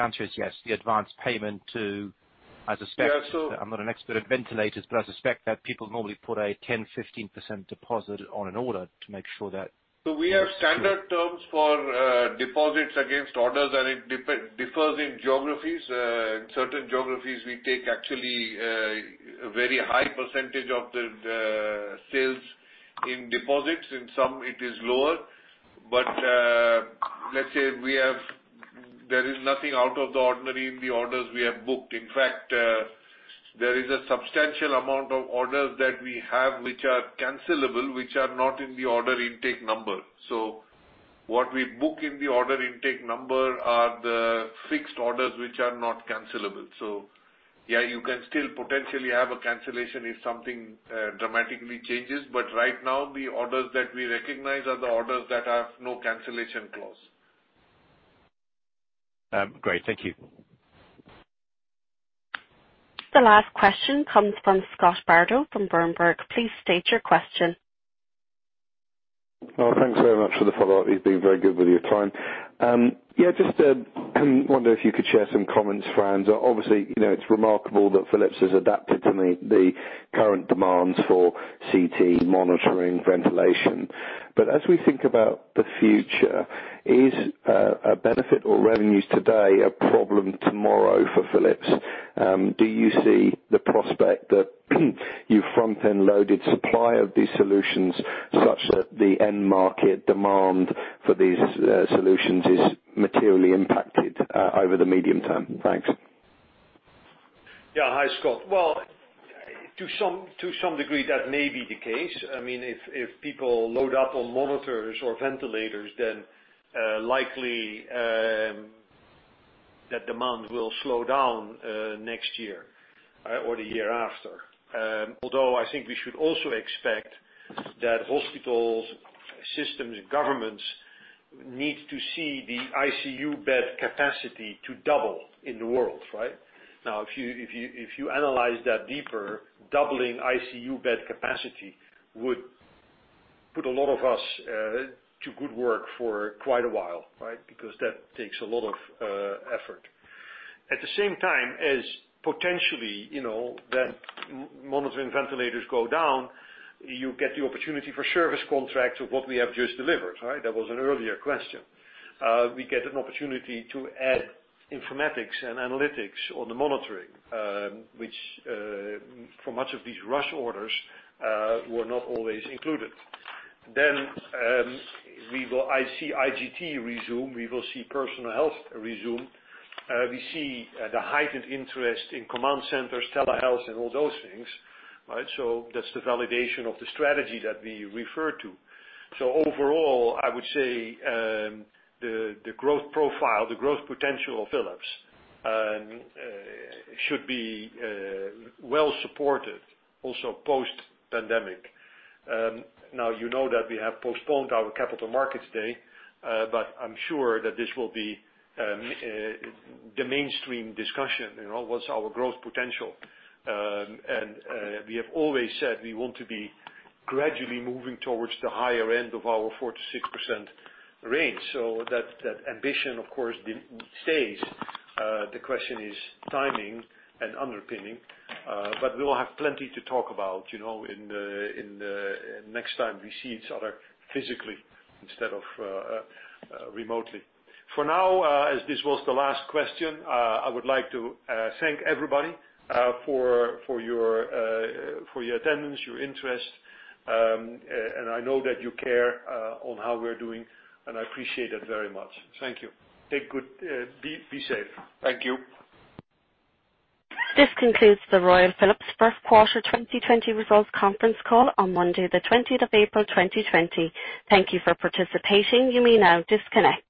answer is yes, the advance payment to, I suspect- Yeah. I'm not an expert in ventilators, but I suspect that people normally put a 10%-15% deposit on an order to make sure. We have standard terms for deposits against orders, and it differs in geographies. In certain geographies, we take actually a very high percentage of the sales in deposits. In some it is lower. Let's say there is nothing out of the ordinary in the orders we have booked. In fact, there is a substantial amount of orders that we have, which are cancelable, which are not in the order intake number. What we book in the order intake number are the fixed orders, which are not cancelable. Yeah, you can still potentially have a cancellation if something dramatically changes. Right now, the orders that we recognize are the orders that have no cancellation clause. Great. Thank you. The last question comes from Scott Bardo from Berenberg. Please state your question. Thanks very much for the follow-up. You've been very good with your time. I just wonder if you could share some comments, Frans. Obviously, it's remarkable that Philips has adapted to the current demands for CT monitoring, ventilation. As we think about the future, is a benefit or revenues today a problem tomorrow for Philips? Do you see the prospect that you front-end loaded supply of these solutions such that the end market demand for these solutions is materially impacted over the medium term? Thanks. Yeah. Hi, Scott. Well, to some degree that may be the case. If people load up on monitors or ventilators, then likely, that demand will slow down next year or the year after. Although, I think we should also expect that hospitals, systems, governments need to see the ICU bed capacity to double in the world, right? Now, if you analyze that deeper, doubling ICU bed capacity would put a lot of us to good work for quite a while, right? Because that takes a lot of effort. At the same time, as potentially, that monitor and ventilators go down, you get the opportunity for service contracts of what we have just delivered, right? That was an earlier question. We get an opportunity to add informatics and analytics on the monitoring, which, for much of these rush orders, were not always included. We will see IGT resume. We will see personal health resume. We see the heightened interest in command centers, telehealth, and all those things, right? That's the validation of the strategy that we refer to. Overall, I would say, the growth profile, the growth potential of Philips should be well-supported also post-pandemic. Now, you know that we have postponed our capital markets day, but I'm sure that this will be the mainstream discussion. What's our growth potential? We have always said we want to be gradually moving towards the higher end of our 4% to 6% range. That ambition, of course, stays. The question is timing and underpinning. We will have plenty to talk about next time we see each other physically instead of remotely. For now, as this was the last question, I would like to thank everybody for your attendance, your interest. I know that you care on how we're doing, and I appreciate that very much. Thank you. Take good care. Be safe. Thank you. This concludes the Royal Philips First Quarter 2020 results conference call on Monday the 20th of April 2020. Thank you for participating. You may now disconnect.